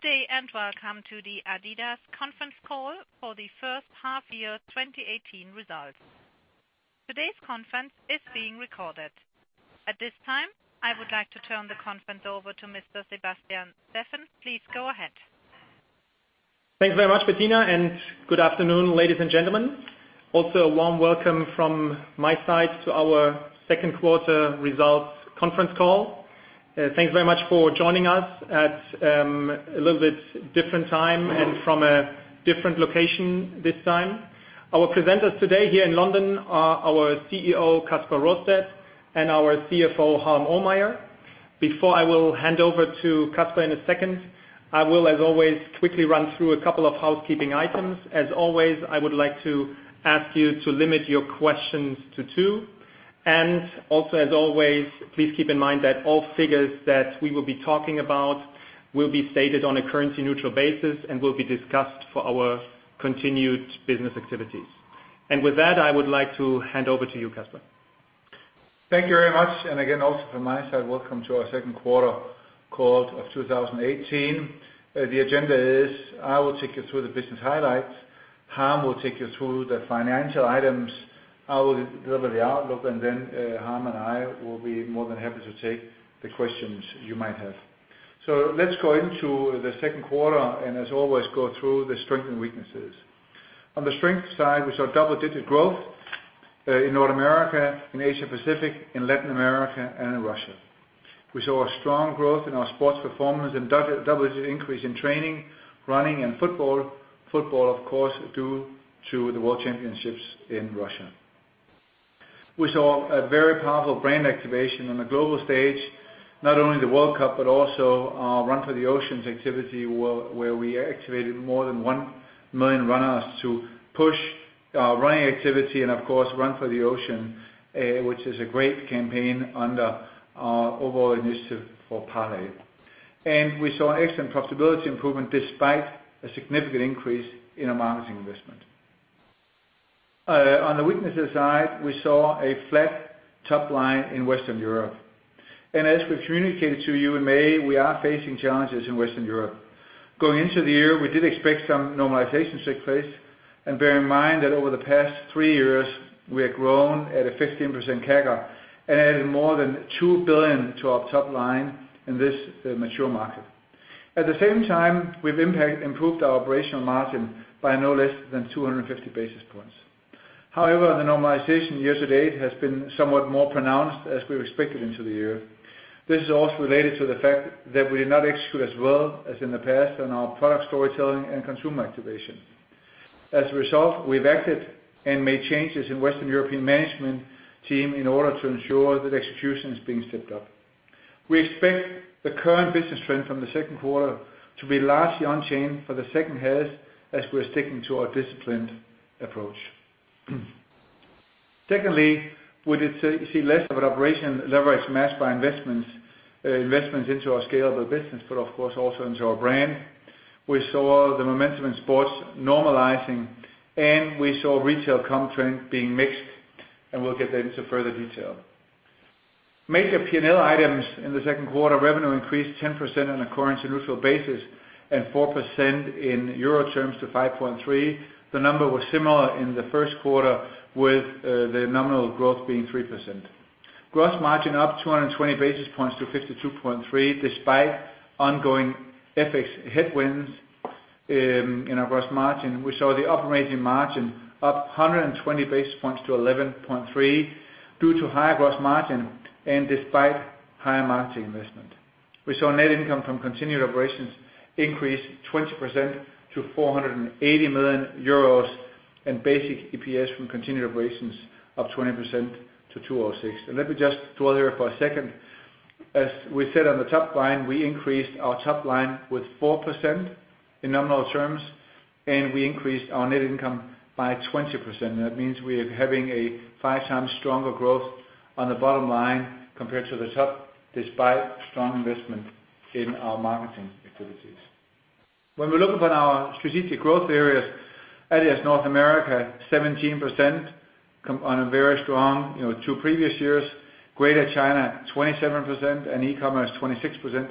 Good day, welcome to the adidas conference call for the first half year 2018 results. Today's conference is being recorded. At this time, I would like to turn the conference over to Mr. Sebastian Steffen. Please go ahead. Thanks very much, Bettina, good afternoon, ladies and gentlemen. Also a warm welcome from my side to our second quarter results conference call. Thanks very much for joining us at a little bit different time and from a different location this time. Our presenters today here in London are our CEO, Kasper Rørsted, and our CFO, Harm Ohlmeyer. Before I will hand over to Kasper in a second, I will, as always, quickly run through a couple of housekeeping items. As always, I would like to ask you to limit your questions to two, also as always, please keep in mind that all figures that we will be talking about will be stated on a currency neutral basis and will be discussed for our continued business activities. With that, I would like to hand over to you, Kasper. Thank you very much, again, also from my side, welcome to our second quarter call of 2018. The agenda is I will take you through the business highlights, Harm will take you through the financial items, I will deliver the outlook, Harm and I will be more than happy to take the questions you might have. Let's go into the second quarter and as always, go through the strength and weaknesses. On the strength side, we saw double-digit growth in North America, in Asia Pacific, in Latin America, and in Russia. We saw a strong growth in our sports performance and double-digit increase in training, running, and football. Football, of course, due to the World Championships in Russia. We saw a very powerful brand activation on the global stage, not only the World Cup, but also our Run for the Oceans activity, where we activated more than 1 million runners to push running activity and of course, Run for the Oceans, which is a great campaign under our overall initiative for Parley. We saw excellent profitability improvement despite a significant increase in our marketing investment. On the weaknesses side, we saw a flat top line in Western Europe. As we communicated to you in May, we are facing challenges in Western Europe. Going into the year, we did expect some normalization take place, bear in mind that over the past three years, we have grown at a 15% CAGR and added more than 2 billion to our top line in this mature market. At the same time, we've improved our operational margin by no less than 250 basis points. The normalization year to date has been somewhat more pronounced as we expected into the year. This is also related to the fact that we did not execute as well as in the past on our product storytelling and consumer activation. As a result, we've acted and made changes in Western European management team in order to ensure that execution is being stepped up. We expect the current business trend from the second quarter to be largely unchanged for the second half as we're sticking to our disciplined approach. We did see less of an operation leverage matched by investments into our scalable business, but of course also into our brand. We saw the momentum in sports normalizing, we saw retail comp trend being mixed, we'll get that into further detail. Major P&L items in the second quarter, revenue increased 10% on a currency neutral basis and 4% in euro terms to 5.3. The number was similar in the first quarter with the nominal growth being 3%. Gross margin up 220 basis points to 52.3% despite ongoing FX headwinds in our gross margin. We saw the operating margin up 120 basis points to 11.3% due to higher gross margin and despite higher marketing investment. We saw net income from continued operations increase 20% to 418 million euros and basic EPS from continued operations up 20% to 206. Let me just dwell here for a second. We said on the top line, we increased our top line with 4% in nominal terms, we increased our net income by 20%. That means we are having a five times stronger growth on the bottom line compared to the top, despite strong investment in our marketing activities. When we look upon our strategic growth areas, that is North America, 17% come on a very strong two previous years, Greater China 27%, e-commerce 26%.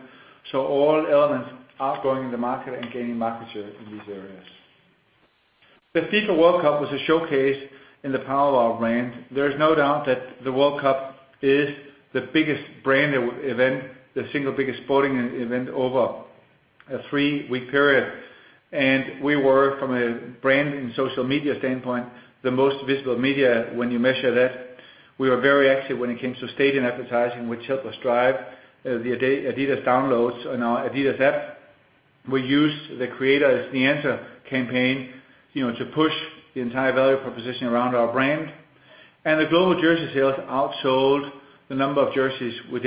All elements are growing in the market and gaining market share in these areas. The FIFA World Cup was a showcase in the power of our brand. There is no doubt that the World Cup is the biggest brand event, the single biggest sporting event over a three-week period. We were, from a brand and social media standpoint, the most visible media when you measure that. We were very active when it came to stadium advertising, which helped us drive the adidas downloads on our adidas app. We used the Creator Is the Answer campaign to push the entire value proposition around our brand. The global jersey sales outsold the number of jerseys we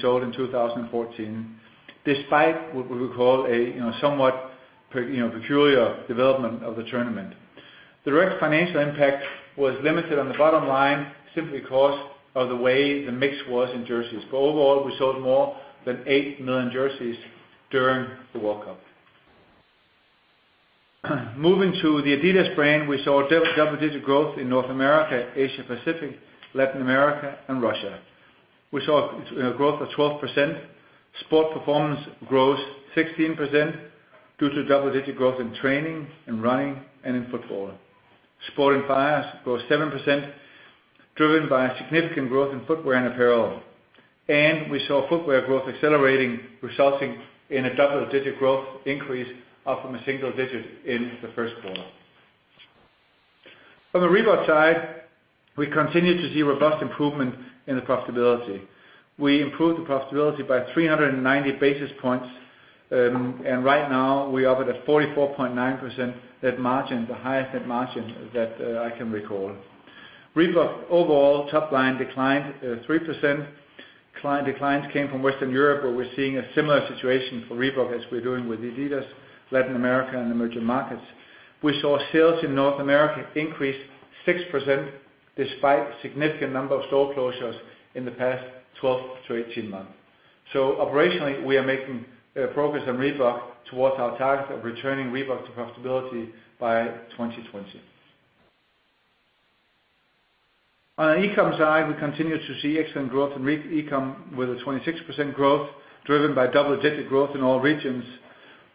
sold in 2014, despite what we would call a somewhat peculiar development of the tournament. The direct financial impact was limited on the bottom line simply because of the way the mix was in jerseys. Overall, we sold more than eight million jerseys during the World Cup. Moving to the adidas brand, we saw double-digit growth in North America, Asia Pacific, Latin America, and Russia. We saw growth of 12%. Sport Performance grows 16% due to double-digit growth in training, in running, and in football. Sport Inspired grows 7%, driven by a significant growth in footwear and apparel. We saw footwear growth accelerating, resulting in a double-digit growth increase up from a single digit in the first quarter. On the Reebok side, we continue to see robust improvement in the profitability. We improved the profitability by 390 basis points, and right now we operate at 44.9% net margin, the highest net margin that I can recall. Reebok overall top line declined 3%. Client declines came from Western Europe, where we are seeing a similar situation for Reebok as we are doing with adidas, Latin America, and the emerging markets. Operationally, we are making progress on Reebok towards our target of returning Reebok to profitability by 2020. On the e-com side, we continue to see excellent growth in e-com with a 26% growth, driven by double-digit growth in all regions.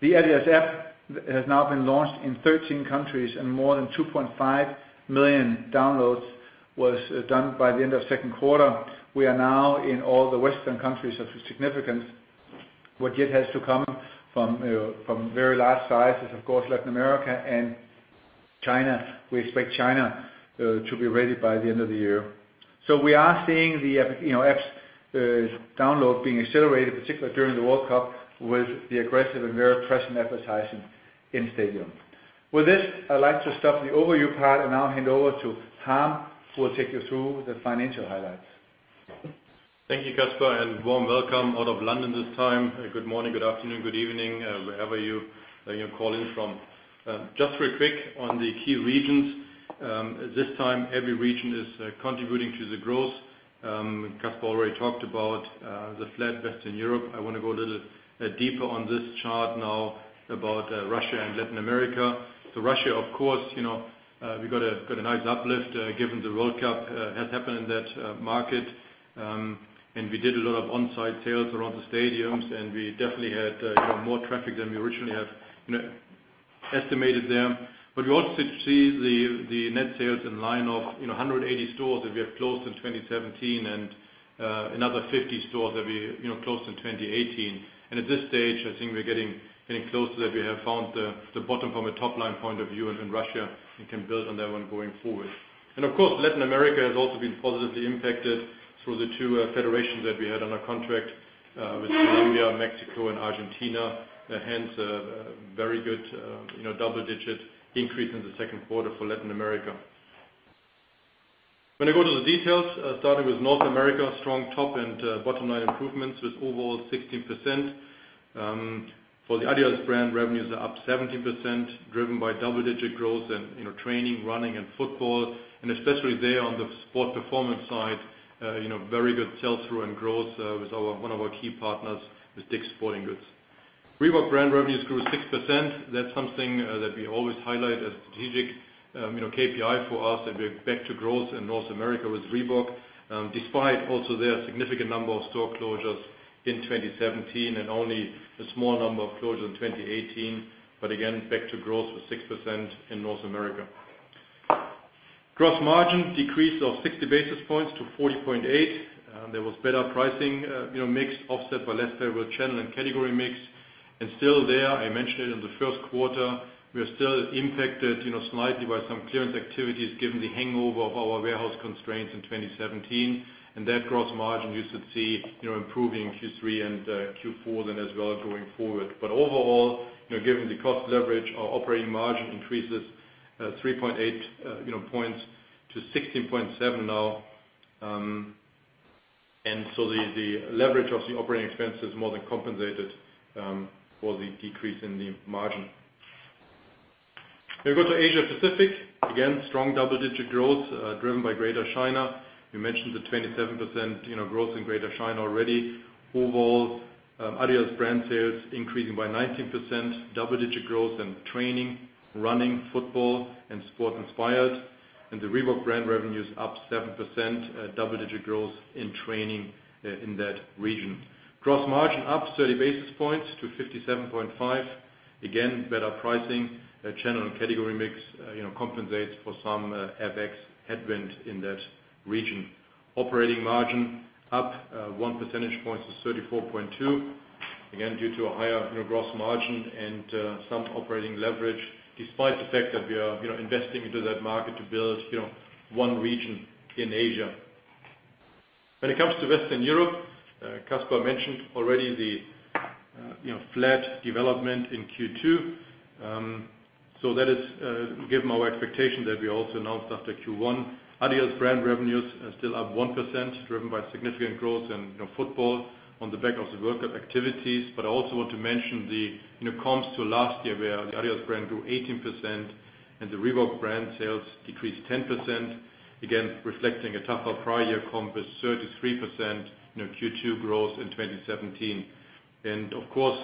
The adidas app has now been launched in 13 countries and more than 2.5 million downloads was done by the end of second quarter. We are now in all the Western countries of significance. What yet has to come from very large size is, of course, Latin America and China. We expect China to be ready by the end of the year. We are seeing the apps download being accelerated, particularly during the World Cup with the aggressive and very present advertising in stadium. With this, I would like to stop the overview part and now hand over to Harm, who will take you through the financial highlights. Thank you, Kasper, and warm welcome out of London this time. Good morning, good afternoon, good evening, wherever you are calling from. Just very quick on the key regions. This time, every region is contributing to the growth. Kasper already talked about the flat Western Europe. I want to go a little deeper on this chart now about Russia and Latin America. Russia, of course, we got a nice uplift given the World Cup has happened in that market. We did a lot of on-site sales around the stadiums, and we definitely had more traffic than we originally had estimated there. We also see the net sales in line of 180 stores that we have closed in 2017 and another 50 stores that we closed in 2018. At this stage, I think we are getting closer that we have found the bottom from a top-line point of view in Russia and can build on that one going forward. Of course, Latin America has also been positively impacted through the two federations that we had on our contract, with Colombia, Mexico, and Argentina. Hence a very good double-digit increase in the second quarter for Latin America. When I go to the details, starting with North America, strong top and bottom line improvements with overall 16%. For the adidas brand, revenues are up 17%, driven by double-digit growth in training, running, and football, and especially there on the sport performance side, very good sell-through and growth with one of our key partners with DICK'S Sporting Goods. Reebok brand revenues grew 6%. That's something that we always highlight as strategic KPI for us, that we're back to growth in North America with Reebok, despite also their significant number of store closures in 2017 and only a small number of closures in 2018. Again, back to growth with 6% in North America. Gross margin decrease of 60 basis points to 40.8. There was better pricing mix offset by less favorable channel and category mix. Still there, I mentioned it in the first quarter, we are still impacted slightly by some clearance activities given the hangover of our warehouse constraints in 2017. That gross margin you should see improving Q3 and Q4 then as well going forward. Overall, given the cost leverage, our operating margin increases 3.8 points to 16.7 now. The leverage of the operating expense is more than compensated for the decrease in the margin. We go to Asia Pacific. Again, strong double-digit growth, driven by Greater China. We mentioned the 27% growth in Greater China already. Overall, adidas brand sales increasing by 19%, double-digit growth in training, running, football, and Sport Inspired. The Reebok brand revenue is up 7%, double-digit growth in training in that region. Gross margin up 30 basis points to 57.5. Again, better pricing, channel and category mix compensates for some FX headwind in that region. Operating margin up one percentage point to 34.2, again, due to a higher gross margin and some operating leverage despite the fact that we are investing into that market to build one region in Asia. When it comes to Western Europe, Kasper mentioned already the flat development in Q2. That is given our expectation that we also announced after Q1. adidas brand revenues are still up 1%, driven by significant growth in football on the back of the World Cup activities. I also want to mention the comps to last year, where the adidas brand grew 18%. The Reebok brand sales decreased 10%, again, reflecting a tougher prior year comp with 33% Q2 growth in 2017. Of course,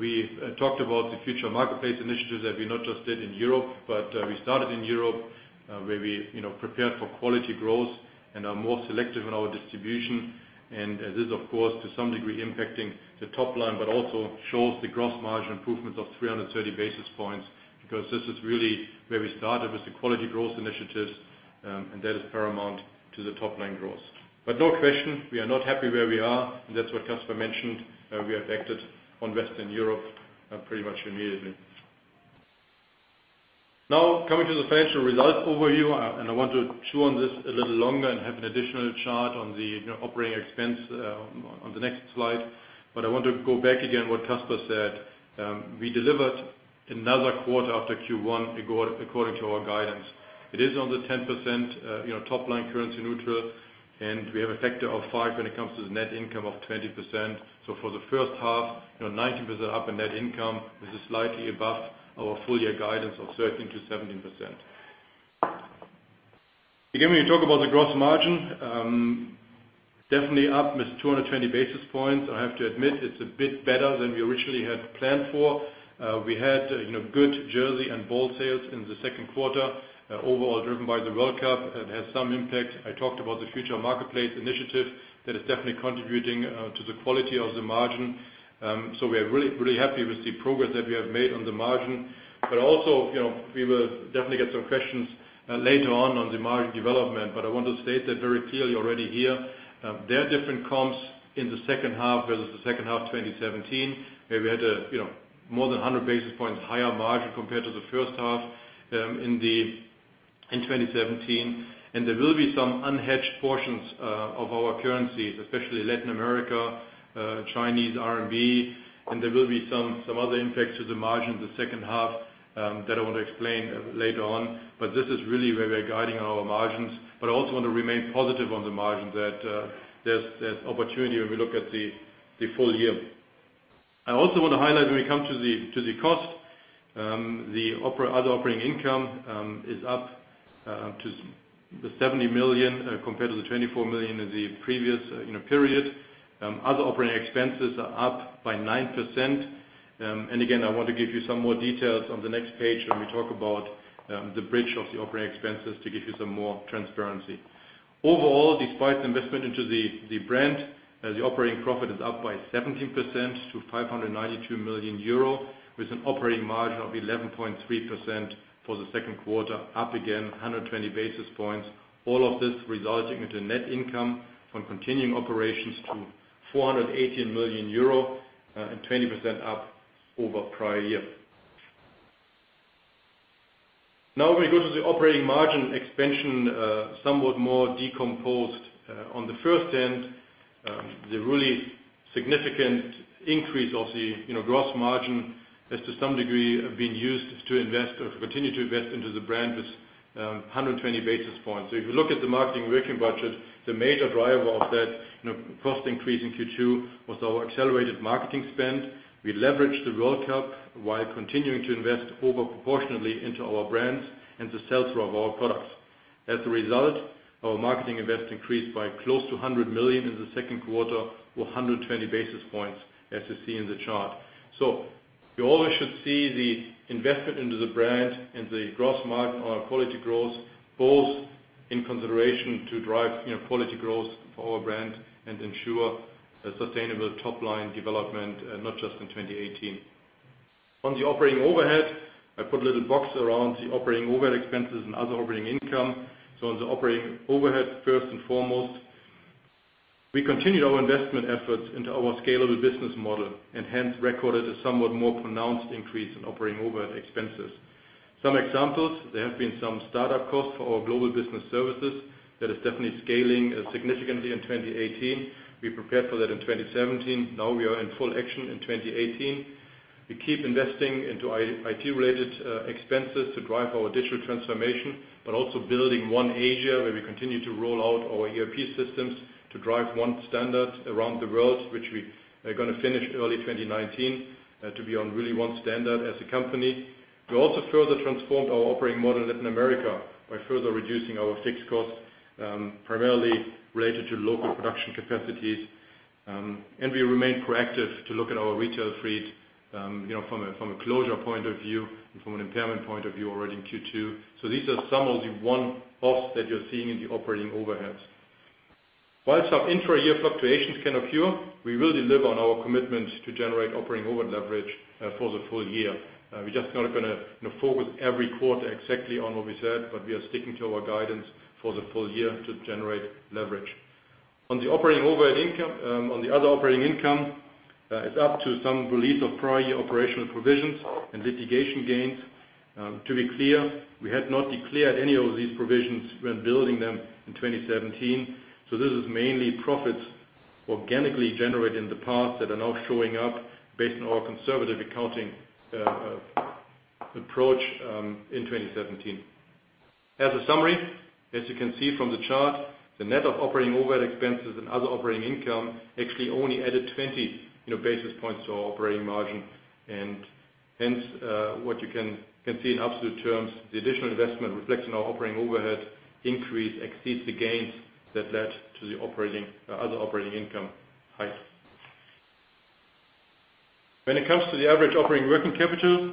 we talked about the future marketplace initiatives that we not just did in Europe, but we started in Europe where we prepared for quality growth and are more selective in our distribution. It is, of course, to some degree, impacting the top line, but also shows the gross margin improvements of 330 basis points because this is really where we started with the quality growth initiatives, and that is paramount to the top-line growth. No question, we are not happy where we are, and that's what Kasper mentioned. We have acted on Western Europe pretty much immediately. Now, coming to the financial result overview, I want to chew on this a little longer and have an additional chart on the operating expense on the next slide. I want to go back again what Kasper said. We delivered another quarter after Q1 according to our guidance. It is on the 10% top line currency neutral, and we have a factor of five when it comes to the net income of 20%. For the first half, 19% up in net income. This is slightly above our full-year guidance of 13%-17%. Again, when you talk about the gross margin, definitely up with 220 basis points. I have to admit it's a bit better than we originally had planned for. We had good jersey and ball sales in the second quarter, overall driven by the World Cup. It had some impact. I talked about the future marketplace initiative that is definitely contributing to the quality of the margin. We are really happy with the progress that we have made on the margin. We will definitely get some questions later on on the margin development. I want to state that very clearly already here. There are different comps in the second half versus the second half 2017, where we had more than 100 basis points higher margin compared to the first half in 2017. There will be some unhedged portions of our currencies, especially Latin America, Chinese RMB, and there will be some other impacts to the margin in the second half that I want to explain later on. This is really where we're guiding our margins, I also want to remain positive on the margin that there's opportunity when we look at the full year. I also want to highlight when we come to the cost, the other operating income is up to 70 million compared to 24 million in the previous period. Other operating expenses are up by 9%. I want to give you some more details on the next page when we talk about the bridge of the operating expenses to give you some more transparency. Overall, despite investment into the brand, the operating profit is up by 17% to 592 million euro, with an operating margin of 11.3% for the second quarter, up again 120 basis points. All of this resulting into net income from continuing operations to 418 million euro and 20% up over prior year. We go to the operating margin expansion, somewhat more decomposed. On the first end, the really significant increase of the gross margin has to some degree been used to continue to invest into the brand with 120 basis points. If you look at the marketing working budget, the major driver of that cost increase in Q2 was our accelerated marketing spend. We leveraged the World Cup while continuing to invest over proportionally into our brands and the sell-through of our products. As a result, our marketing investment increased by close to 100 million in the second quarter to 120 basis points, as you see in the chart. You always should see the investment into the brand and the gross margin on our quality growth, both in consideration to drive quality growth for our brand and ensure a sustainable top-line development, not just in 2018. On the operating overhead, I put a little box around the operating overhead expenses and other operating income. On the operating overhead, first and foremost, we continued our investment efforts into our scalable business model and hence recorded a somewhat more pronounced increase in operating overhead expenses. Some examples, there have been some startup costs for our global business services. That is definitely scaling significantly in 2018. We prepared for that in 2017. We are in full action in 2018. We keep investing into IT-related expenses to drive our digital transformation, but also building one Asia, where we continue to roll out our ERP systems to drive one standard around the world, which we are going to finish early 2019 to be on really one standard as a company. We also further transformed our operating model in Latin America by further reducing our fixed costs, primarily related to local production capacities. We remain proactive to look at our retail fleet from a closure point of view and from an impairment point of view already in Q2. These are some of the one-offs that you're seeing in the operating overheads. While some intra-year fluctuations can occur, we will deliver on our commitment to generate operating overhead leverage for the full year. We're just not going to focus every quarter exactly on what we said, but we are sticking to our guidance for the full year to generate leverage. On the other operating income, it's up to some release of prior year operational provisions and litigation gains. To be clear, we had not declared any of these provisions when building them in 2017. This is mainly profits organically generated in the past that are now showing up based on our conservative accounting approach in 2017. As a summary, as you can see from the chart, the net of operating overhead expenses and other operating income actually only added 20 basis points to our operating margin. Hence, what you can see in absolute terms, the additional investment reflects on our operating overhead increase exceeds the gains that led to the other operating income hike. When it comes to the average operating working capital,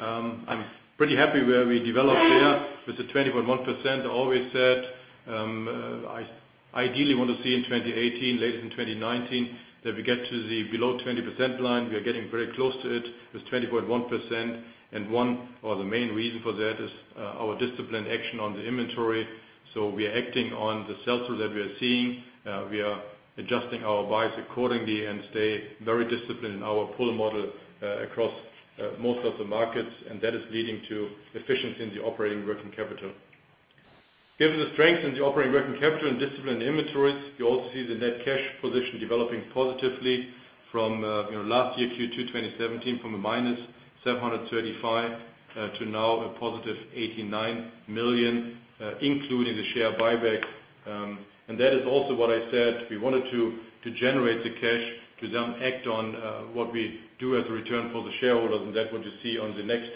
I'm pretty happy where we developed there with the 20.1%. I always said, I ideally want to see in 2018, later in 2019, that we get to the below 20% line. We are getting very close to it with 20.1%, and one of the main reason for that is our disciplined action on the inventory. We are acting on the sell-through that we are seeing. We are adjusting our buys accordingly and stay very disciplined in our pull model across most of the markets, that is leading to efficiency in the operating working capital. Given the strength in the operating working capital and discipline inventories, you also see the net cash position developing positively from last year Q2 2017, from a minus 735 to now a positive 89 million, including the share buyback. That is also what I said we wanted to generate the cash to then act on what we do as a return for the shareholders, and that what you see on the next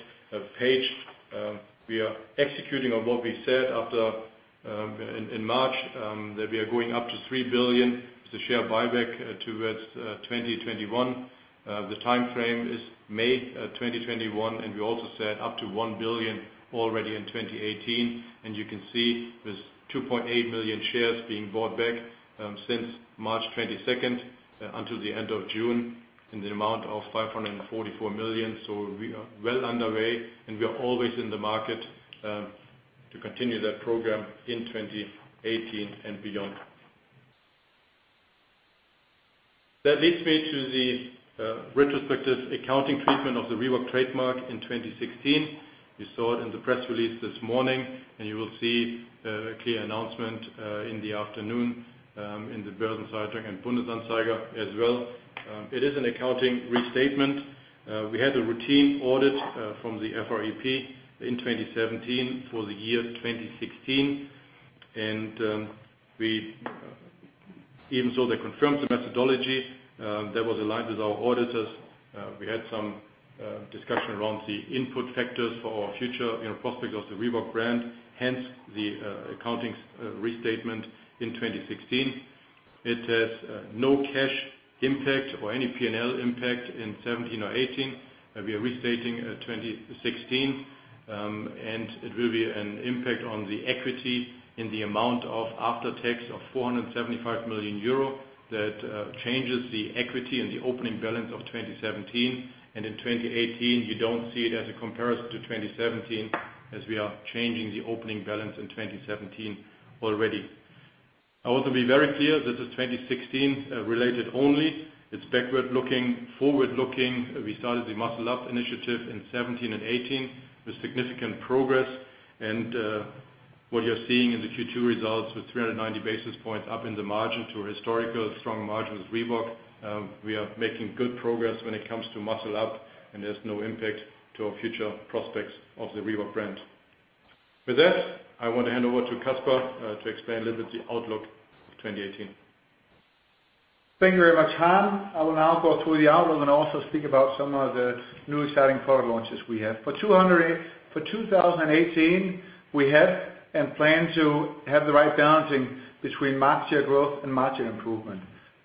page. We are executing on what we said in March, that we are going up to 3 billion with the share buyback towards 2021. The timeframe is May 2021, we also said up to 1 billion already in 2018. You can see there's 2.8 million shares being bought back since March 22nd until the end of June in the amount of 544 million. We are well underway, we are always in the market to continue that program in 2018 and beyond. That leads me to the retrospective accounting treatment of the Reebok trademark in 2016. You saw it in the press release this morning, and you will see a clear announcement in the afternoon in the Thank you very much, Harm. I will now go through the outlook and also speak about some of the newly starting product launches we have. For 2018, we have and plan to have the right balancing between market share growth and margin improvement.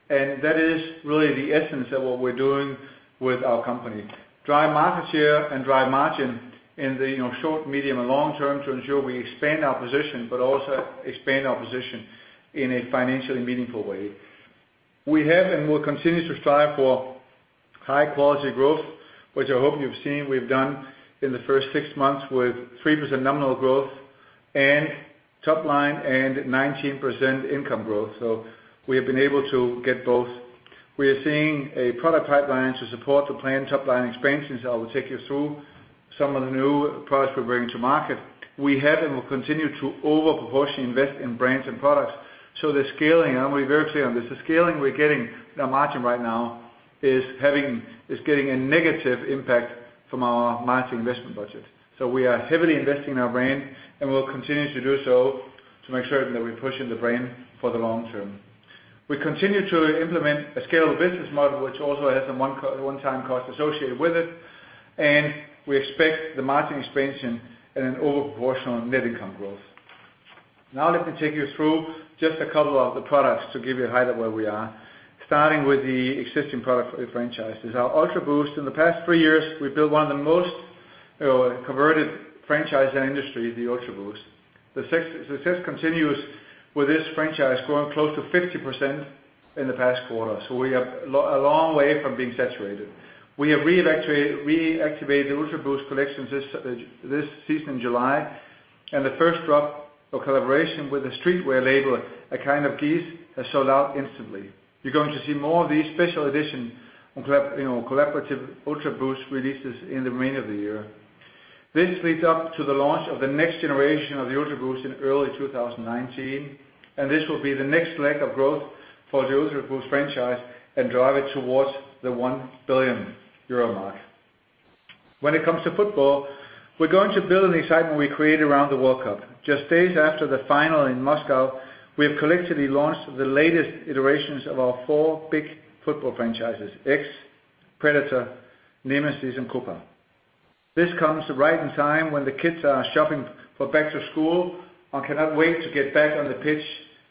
That is really the essence of what we are doing with our company. Drive market share and drive margin in the short, medium, and long term to ensure we expand our position, but also expand our position in a financially meaningful way. We have and will continue to strive for high-quality growth, which I hope you have seen we have done in the first six months with 3% nominal growth and top line and 19% income growth. We have been able to get both. We are seeing a product pipeline to support the planned top line expansions. I will take you through some of the new products we are bringing to market. We have and will continue to over-proportionately invest in brands and products. The scaling, I'm going to be very clear on this, the scaling we're getting in our margin right now is getting a negative impact from our margin investment budget. We are heavily investing in our brand and will continue to do so to make certain that we're pushing the brand for the long term. We continue to implement a scaled business model, which also has some one-time costs associated with it, and we expect the margin expansion and an over-proportional net income growth. Let me take you through just a couple of the products to give you a highlight of where we are. Starting with the existing product franchises. Our Ultraboost, in the past three years, we built one of the most converted franchise in industry, the Ultraboost. The success continues with this franchise growing close to 50% in the past quarter. We are a long way from being saturated. We have reactivated the Ultraboost collections this season in July, and the first drop of collaboration with the streetwear label, A Kind of Guise, has sold out instantly. You're going to see more of these special edition collaborative Ultraboost releases in the remainder of the year. This leads up to the launch of the next generation of the Ultraboost in early 2019, and this will be the next leg of growth for the Ultraboost franchise and drive it towards the 1 billion euro mark. When it comes to football, we're going to build on the excitement we created around the World Cup. Just days after the final in Moscow, we have collectively launched the latest iterations of our four big football franchises, X, Predator, Nemeziz, and Copa. This comes right in time when the kids are shopping for back to school and cannot wait to get back on the pitch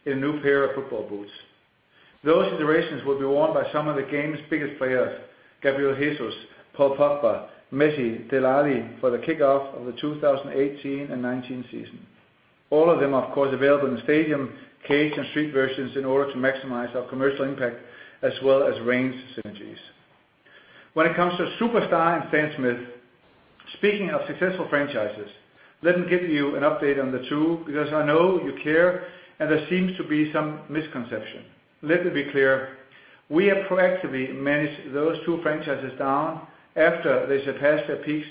in a new pair of football boots. Those iterations will be worn by some of the game's biggest players, Gabriel Jesus, Paul Pogba, Messi, Dele Alli, for the kickoff of the 2018 and 2019 season. All of them, of course, available in stadium, cage, and street versions in order to maximize our commercial impact as well as range synergies. When it comes to Superstar and Stan Smith, speaking of successful franchises, let me give you an update on the two, because I know you care, and there seems to be some misconception. Let me be clear. We have proactively managed those two franchises down after they surpassed their peaks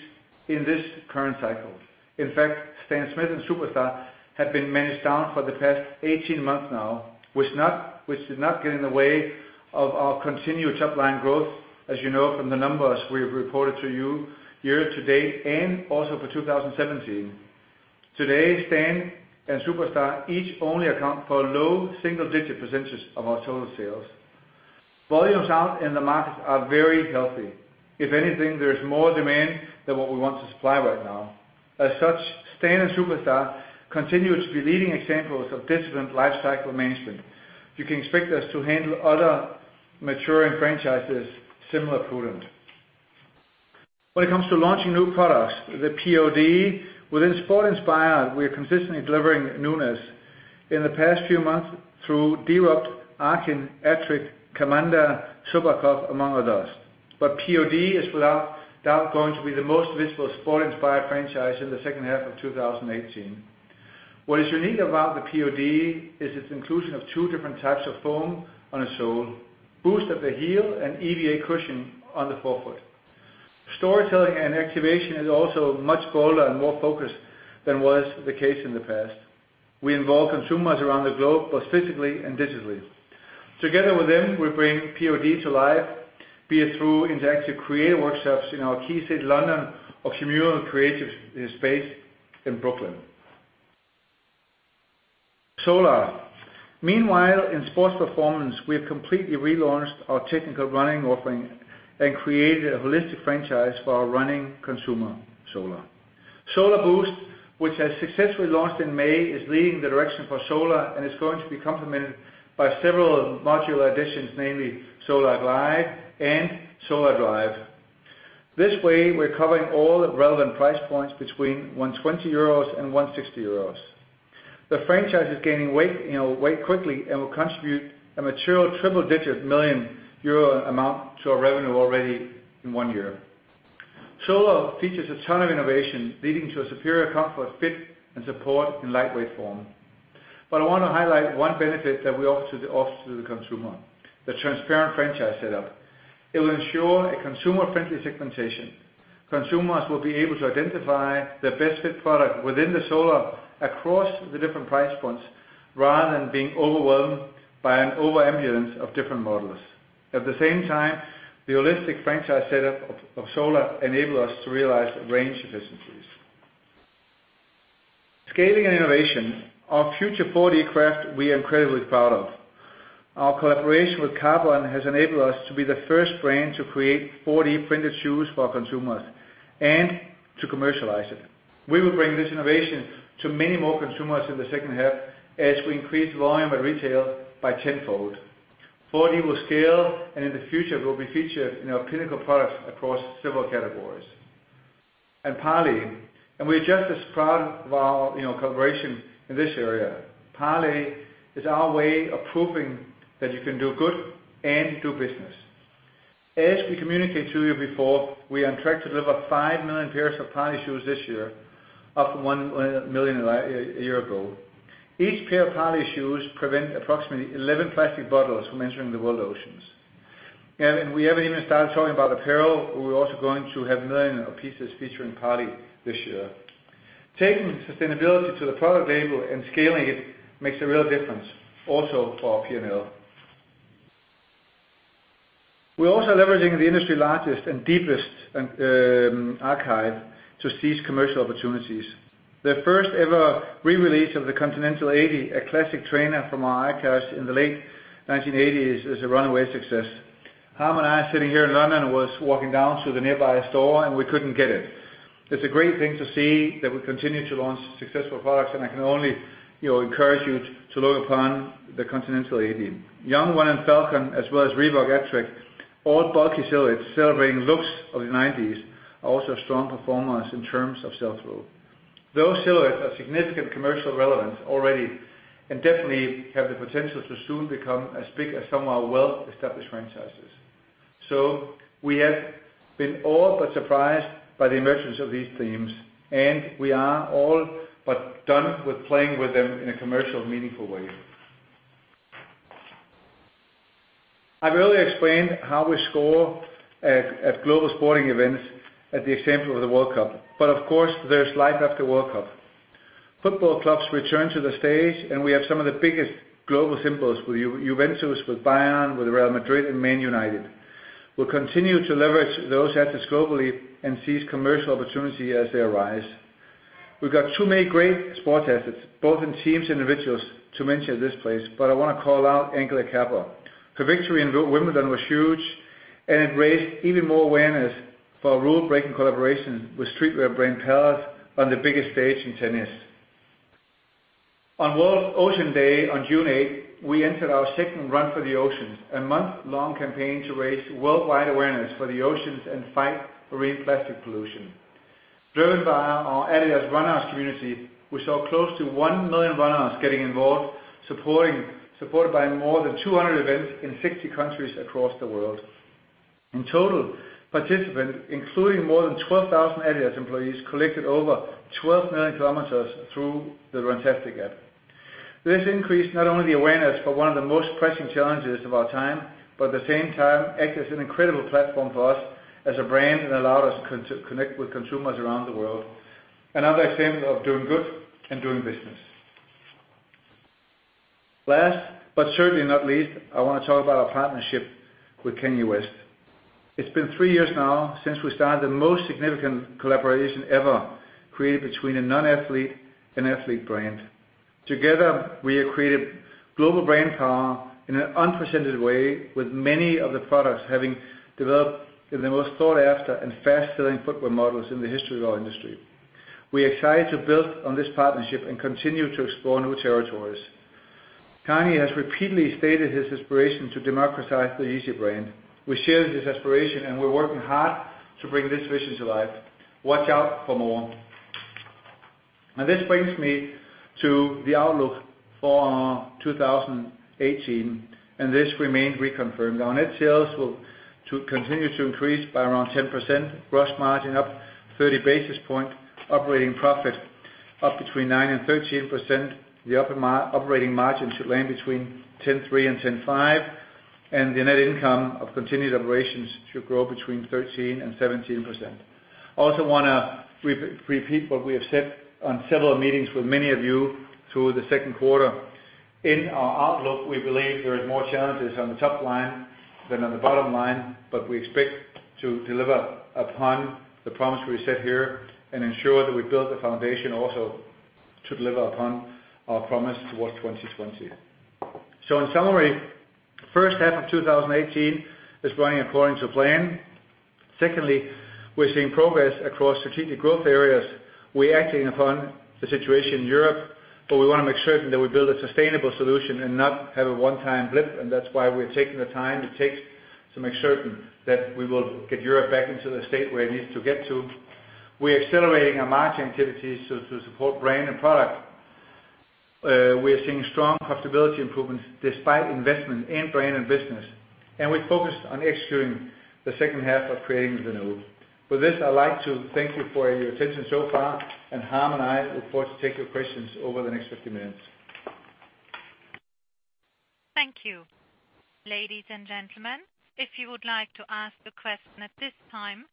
in this current cycle. In fact, Stan Smith and Superstar have been managed down for the past 18 months now, which did not get in the way of our continued top-line growth, as you know from the numbers we have reported to you year to date and also for 2017. Today, Stan and Superstar each only account for a low single-digit percentage of our total sales. Volumes out in the market are very healthy. If anything, there is more demand than what we want to supply right now. As such, Stan and Superstar continue to be leading examples of disciplined life cycle management. You can expect us to handle other maturing franchises similar prudent. When it comes to launching new products, the P.O.D. System within sport-inspired, we are consistently delivering newness. In the past few months through Deerupt, Arkyn, Atric, Kamanda, Sobakov, among others. P.O.D. System is without doubt going to be the most visible sport-inspired franchise in the second half of 2018. What is unique about the P.O.D. System is its inclusion of two different types of foam on a sole, Boost at the heel and EVA cushion on the forefoot. Storytelling and activation is also much bolder and more focused than was the case in the past. We involve consumers around the globe, both physically and digitally. Together with them, we bring P.O.D. System to life, be it through interactive creative workshops in our key city, London, or communal creative space in Brooklyn. Solar. Meanwhile, in sports performance, we have completely relaunched our technical running offering and created a holistic franchise for our running consumer, Solar. Solarboost, which has successfully launched in May, is leading the direction for Solar and is going to be complemented by several modular additions, namely Solar Glide and Solar Drive. This way, we're covering all the relevant price points between 120-160 euros. The franchise is gaining weight quickly and will contribute a material triple-digit million euro amount to our revenue already in one year. Solar features a ton of innovation, leading to a superior comfort fit and support in lightweight form. I want to highlight one benefit that we offer to the consumer, the transparent franchise setup. It will ensure a consumer-friendly segmentation. Consumers will be able to identify the best fit product within the Solar across the different price points rather than being overwhelmed by an overabundance of different models. At the same time, the holistic franchise setup of Solar enable us to realize range efficiencies. Scaling and innovation. Our Futurecraft 4D we are incredibly proud of. Our collaboration with Carbon has enabled us to be the first brand to create 4D-printed shoes for our consumers and to commercialize it. We will bring this innovation to many more consumers in the second half as we increase volume at retail by tenfold. 4D will scale, and in the future, will be featured in our pinnacle products across several categories. Parley. We're just as proud of our collaboration in this area. Parley is our way of proving that you can do good and do business. As we communicate to you before, we are on track to deliver 5 million pairs of Parley shoes this year, up from 1 million a year ago. Each pair of Parley shoes prevent approximately 11 plastic bottles from entering the world oceans. We haven't even started talking about apparel. We're also going to have millions of pieces featuring Parley this year. Taking sustainability to the product label and scaling it makes a real difference also for our P&L. We're also leveraging the industry largest and deepest archive to seize commercial opportunities. The first-ever re-release of the Continental 80, a classic trainer from our archives in the late 1980s, is a runaway success. Harm and I sitting here in London was walking down to the nearby store, and we couldn't get it. It's a great thing to see that we continue to launch successful products, I can only encourage you to look upon the Continental 80. Yung-1 and Falcon, as well as Reebok Atric, old bulky silhouettes celebrating looks of the '90s, are also strong performers in terms of sell-through. Those silhouettes are significant commercial relevance already and definitely have the potential to soon become as big as some of our well-established franchises. We have been all but surprised by the emergence of these themes, and we are all but done with playing with them in a commercial, meaningful way. I've earlier explained how we score at global sporting events at the example of the World Cup. Of course, there's life after World Cup. Football clubs return to the stage, and we have some of the biggest global symbols with Juventus, with Bayern, with Real Madrid, and Man United. We'll continue to leverage those assets globally and seize commercial opportunity as they arise. We've got too many great sports assets, both in teams and individuals, to mention at this place, but I want to call out Angelique Kerber. Her victory in Wimbledon was huge, and it raised even more awareness for rule-breaking collaboration with streetwear brand Palace on the biggest stage in tennis. On World Ocean Day on June 8th, we entered our second Run for the Oceans, a month-long campaign to raise worldwide awareness for the oceans and fight marine plastic pollution. Driven by our adidas runners community, we saw close to 1 million runners getting involved, supported by more than 200 events in 60 countries across the world. In total, participants, including more than 12,000 adidas employees, collected over 12 million kilometers through the Runtastic app. This increased not only the awareness for one of the most pressing challenges of our time, at the same time, acted as an incredible platform for us as a brand and allowed us to connect with consumers around the world. Another example of doing good and doing business. Last, but certainly not least, I want to talk about our partnership with Kanye West. It's been 3 years now since we started the most significant collaboration ever created between a non-athlete and athlete brand. Together, we have created global brand power in an unprecedented way, with many of the products having developed in the most sought-after and fast-selling footwear models in the history of our industry. We are excited to build on this partnership and continue to explore new territories. Kanye has repeatedly stated his aspiration to democratize the Yeezy brand. We share his aspiration, we're working hard to bring this vision to life. Watch out for more. This brings me to the outlook for 2018, this remains reconfirmed. Our net sales will continue to increase by around 10%, gross margin up 30 basis points, operating profit up between 9% and 13%, the operating margin should land between 10.3% and 10.5%, and the net income of continued operations should grow between 13% and 17%. I also want to repeat what we have said on several meetings with many of you through the second quarter. In our outlook, we believe there are more challenges on the top line than on the bottom line, we expect to deliver upon the promise we set here and ensure that we build the foundation also to deliver upon our promise towards 2020. In summary, first half of 2018 is running according to plan. Secondly, we're seeing progress across strategic growth areas. We're acting upon the situation in Europe, we want to make certain that we build a sustainable solution and not have a one-time blip, that's why we're taking the time it takes to make certain that we will get Europe back into the state where it needs to get to. We're accelerating our margin activities to support brand and product. We're seeing strong profitability improvements despite investment in brand and business, we're focused on executing the second half of creating the new. For this, I'd like to thank you for your attention so far, Harm and I look forward to take your questions over the next 50 minutes. Thank you. Ladies and gentlemen, if you would like to ask a question at this time,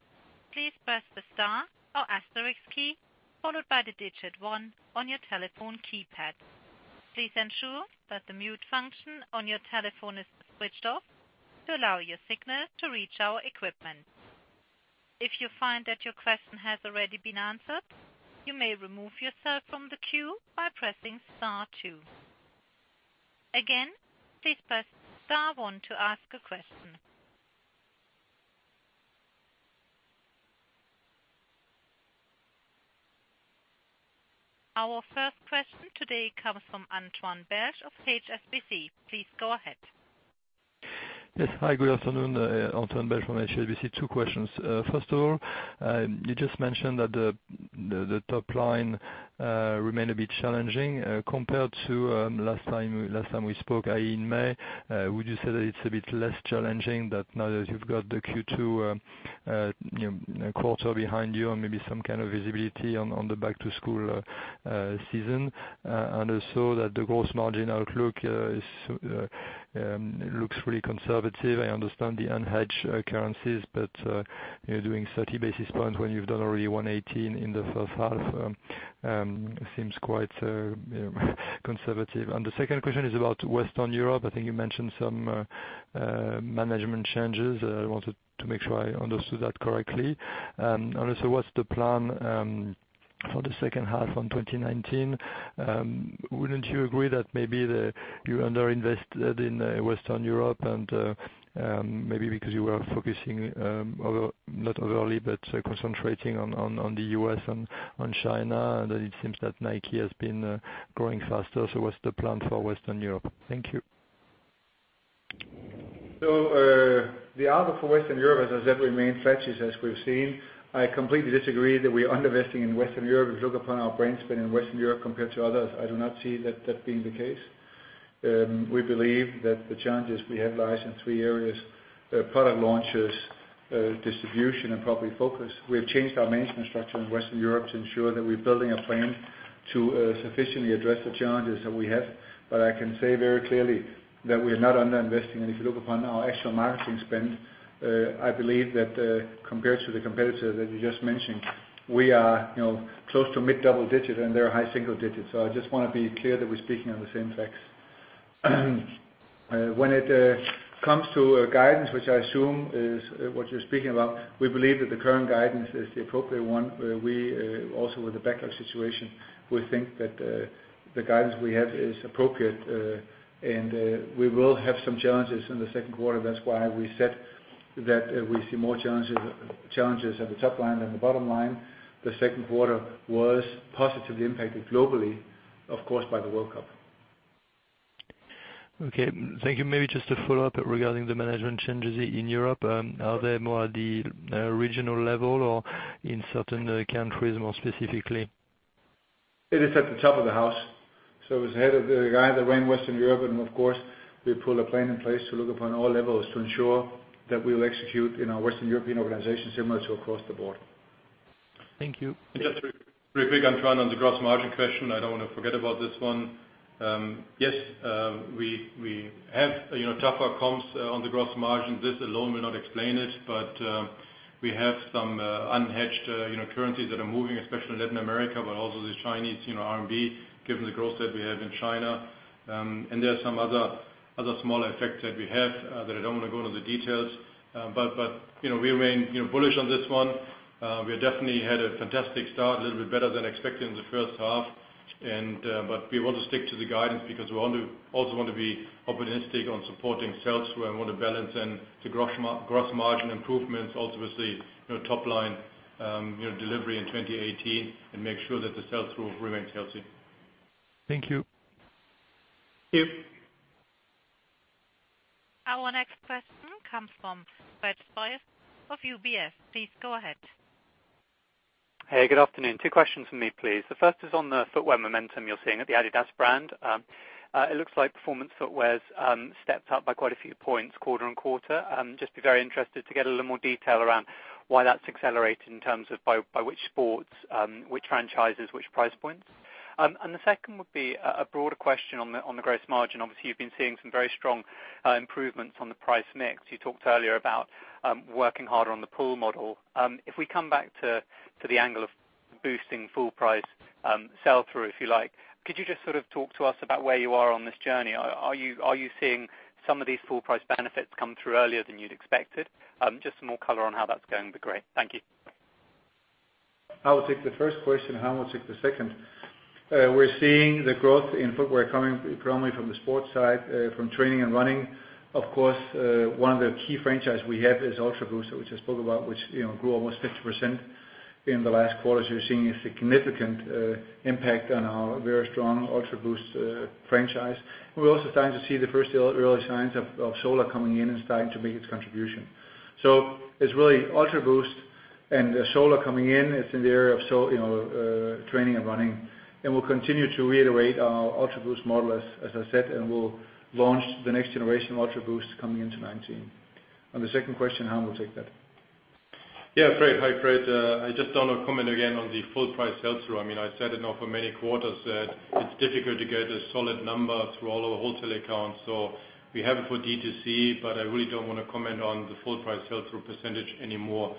please press the star or asterisk key, followed by the digit 1 on your telephone keypad. Please ensure that the mute function on your telephone is switched off to allow your signal to reach our equipment. If you find that your question has already been answered, you may remove yourself from the queue by pressing star two. Again, please press star one to ask a question. Our first question today comes from Antoine Belge of HSBC. Please go ahead. Yes, hi, good afternoon. Antoine Belge from HSBC. Two questions. First of all, you just mentioned that the top line remained a bit challenging. Compared to last time we spoke, in May, would you say that it's a bit less challenging that now that you've got the Q2 quarter behind you and maybe some kind of visibility on the back-to-school season? Also that the gross margin outlook looks really conservative. I understand the unhedged currencies, but you're doing 30 basis points when you've done already 118 in the first half, seems quite conservative. The second question is about Western Europe. I think you mentioned some management changes. I wanted to make sure I understood that correctly. Also, what's the plan for the second half of 2019? Wouldn't you agree that maybe you underinvested in Western Europe and maybe because you were focusing, not overly, but concentrating on the U.S. and on China, and it seems that Nike has been growing faster. What's the plan for Western Europe? Thank you. The outlook for Western Europe, as I said, remains flatish as we've seen. I completely disagree that we're underinvesting in Western Europe. If you look upon our brand spend in Western Europe compared to others, I do not see that being the case. We believe that the challenges we have lies in three areas, product launches, distribution, and probably focus. We have changed our management structure in Western Europe to ensure that we're building a plan to sufficiently address the challenges that we have. I can say very clearly that we're not underinvesting, and if you look upon our actual marketing spend, I believe that compared to the competitor that you just mentioned, we are close to mid double digit and they're high single digits. I just want to be clear that we're speaking on the same facts. When it comes to guidance, which I assume is what you're speaking about, we believe that the current guidance is the appropriate one. We also, with the backlog situation, we think that the guidance we have is appropriate, and we will have some challenges in the second quarter. That's why we said that we see more challenges at the top line than the bottom line. The second quarter was positively impacted globally, of course, by the World Cup. Okay. Thank you. Maybe just a follow-up regarding the management changes in Europe. Are they more at the regional level or in certain countries more specifically? It is at the top of the house, so it's the head of the guy that ran Western Europe and of course, we put a plan in place to look upon all levels to ensure that we'll execute in our Western European organization similar to across the board. Thank you. Very quick on the gross margin question. I don't want to forget about this one. Yes, we have tougher comps on the gross margin. This alone may not explain it, but we have some unhedged currencies that are moving, especially Latin America, but also the Chinese RMB, given the growth that we have in China. There are some other smaller effects that we have that I don't want to go into the details. We remain bullish on this one. We definitely had a fantastic start, a little bit better than expected in the first half. We want to stick to the guidance because we also want to be opportunistic on supporting sell-through and want to balance in the gross margin improvements, obviously, top line delivery in 2018 and make sure that the sell-through remains healthy. Thank you. Thank you. Our next question comes from Fred Doyle of UBS. Please go ahead. Hey, good afternoon. Two questions from me, please. The first is on the footwear momentum you're seeing at the adidas brand. It looks like performance footwear's stepped up by quite a few points quarter-on-quarter. Just be very interested to get a little more detail around why that's accelerated in terms of by which sports, which franchises, which price points. The second would be a broader question on the gross margin. Obviously, you've been seeing some very strong improvements on the price mix. You talked earlier about working harder on the pull model. If we come back to the angle of boosting full price sell-through, if you like, could you just sort of talk to us about where you are on this journey? Are you seeing some of these full price benefits come through earlier than you'd expected? Just some more color on how that's going would be great. Thank you. I will take the first question, Harm will take the second. We're seeing the growth in footwear coming primarily from the sports side, from training and running. Of course, one of the key franchise we have is Ultraboost, which I spoke about, which grew almost 50% in the last quarter. You're seeing a significant impact on our very strong Ultraboost franchise. We're also starting to see the first early signs of Solar coming in and starting to make its contribution. It's really Ultraboost and Solar coming in. It's in the area of training and running. We'll continue to reiterate our Ultraboost model, as I said, and we'll launch the next generation of Ultraboost coming into 2019. On the second question, Harm will take that. Yeah, great. Hi, Fred. I just don't want to comment again on the full price sell-through. I said it now for many quarters that it's difficult to get a solid number through all our wholesale accounts. We have it for D2C, but I really don't want to comment on the full price sell-through % anymore.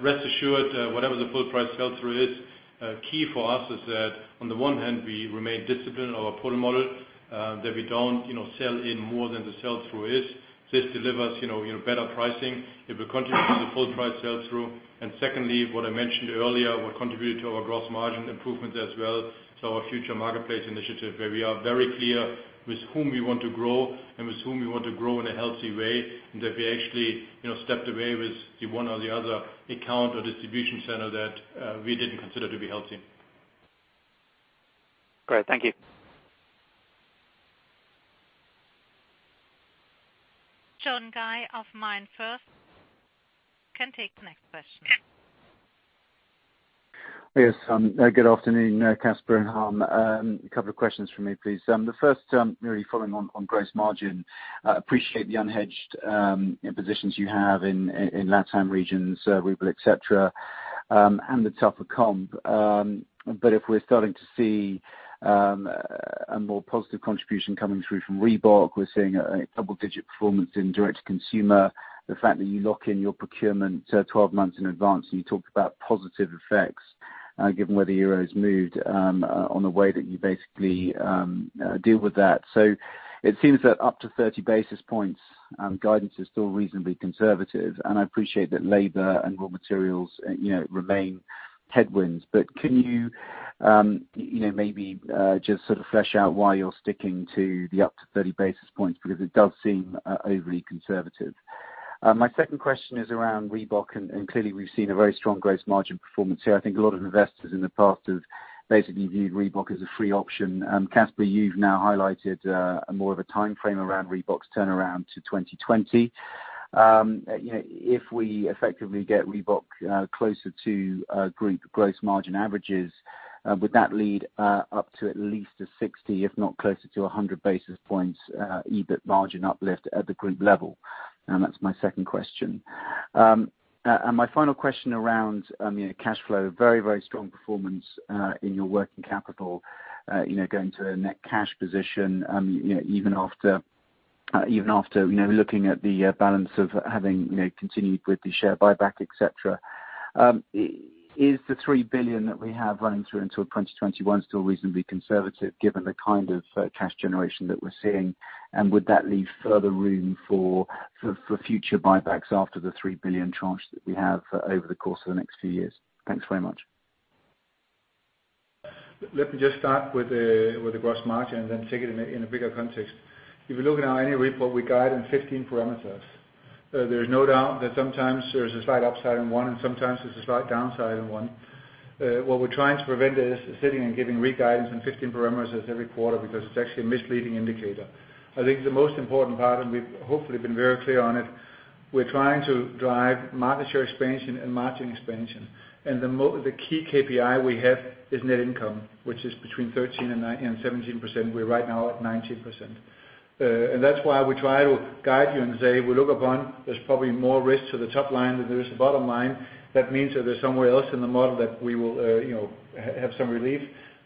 Rest assured, whatever the full price sell-through is, key for us is that on the one hand, we remain disciplined in our pull model, that we don't sell in more than the sell-through is. This delivers better pricing if we continue with the full price sell-through. Secondly, what I mentioned earlier, what contributed to our gross margin improvements as well. Our future marketplace initiative, where we are very clear with whom we want to grow and with whom we want to grow in a healthy way, and that we actually stepped away with the one or the other account or distribution center that we didn't consider to be healthy. Great. Thank you. John Guy of MainFirst can take the next question. Yes. Good afternoon, Kasper and Harm. A couple of questions from me, please. The first, really following on gross margin. Appreciate the unhedged positions you have in LatAm regions, ruble, et cetera, and the tougher comp. If we're starting to see a more positive contribution coming through from Reebok, we're seeing a double-digit performance in direct-to-consumer. The fact that you lock in your procurement 12 months in advance, and you talked about positive effects, given where the euro has moved, on the way that you basically deal with that. It seems that up to 30 basis points guidance is still reasonably conservative, and I appreciate that labor and raw materials remain headwinds. Can you maybe just sort of flesh out why you're sticking to the up to 30 basis points? It does seem overly conservative. My second question is around Reebok, clearly we've seen a very strong gross margin performance here. I think a lot of investors in the past have basically viewed Reebok as a free option. Kasper, you've now highlighted more of a timeframe around Reebok's turnaround to 2020. If we effectively get Reebok closer to group gross margin averages, would that lead up to at least a 60, if not closer to 100 basis points EBIT margin uplift at the group level? That's my second question. My final question around cash flow, very strong performance in your working capital, going to a net cash position even after looking at the balance of having continued with the share buyback, et cetera, is the 3 billion that we have running through until 2021 still reasonably conservative given the kind of cash generation that we're seeing? Would that leave further room for future buybacks after the 3 billion tranche that we have over the course of the next few years? Thanks very much. Let me just start with the gross margin. Take it in a bigger context. If you look at our annual report, we guide in 15 parameters. There's no doubt that sometimes there's a slight upside in one, and sometimes there's a slight downside in one. What we're trying to prevent is sitting and giving re-guidance in 15 parameters every quarter because it's actually a misleading indicator. I think the most important part, and we've hopefully been very clear on it, we're trying to drive market share expansion and margin expansion. The key KPI we have is net income, which is between 13%-17%. We're right now at 19%. That's why we try to guide you and say we look upon, there's probably more risk to the top line than there is to bottom line. That means that there's somewhere else in the model that we will have some relief.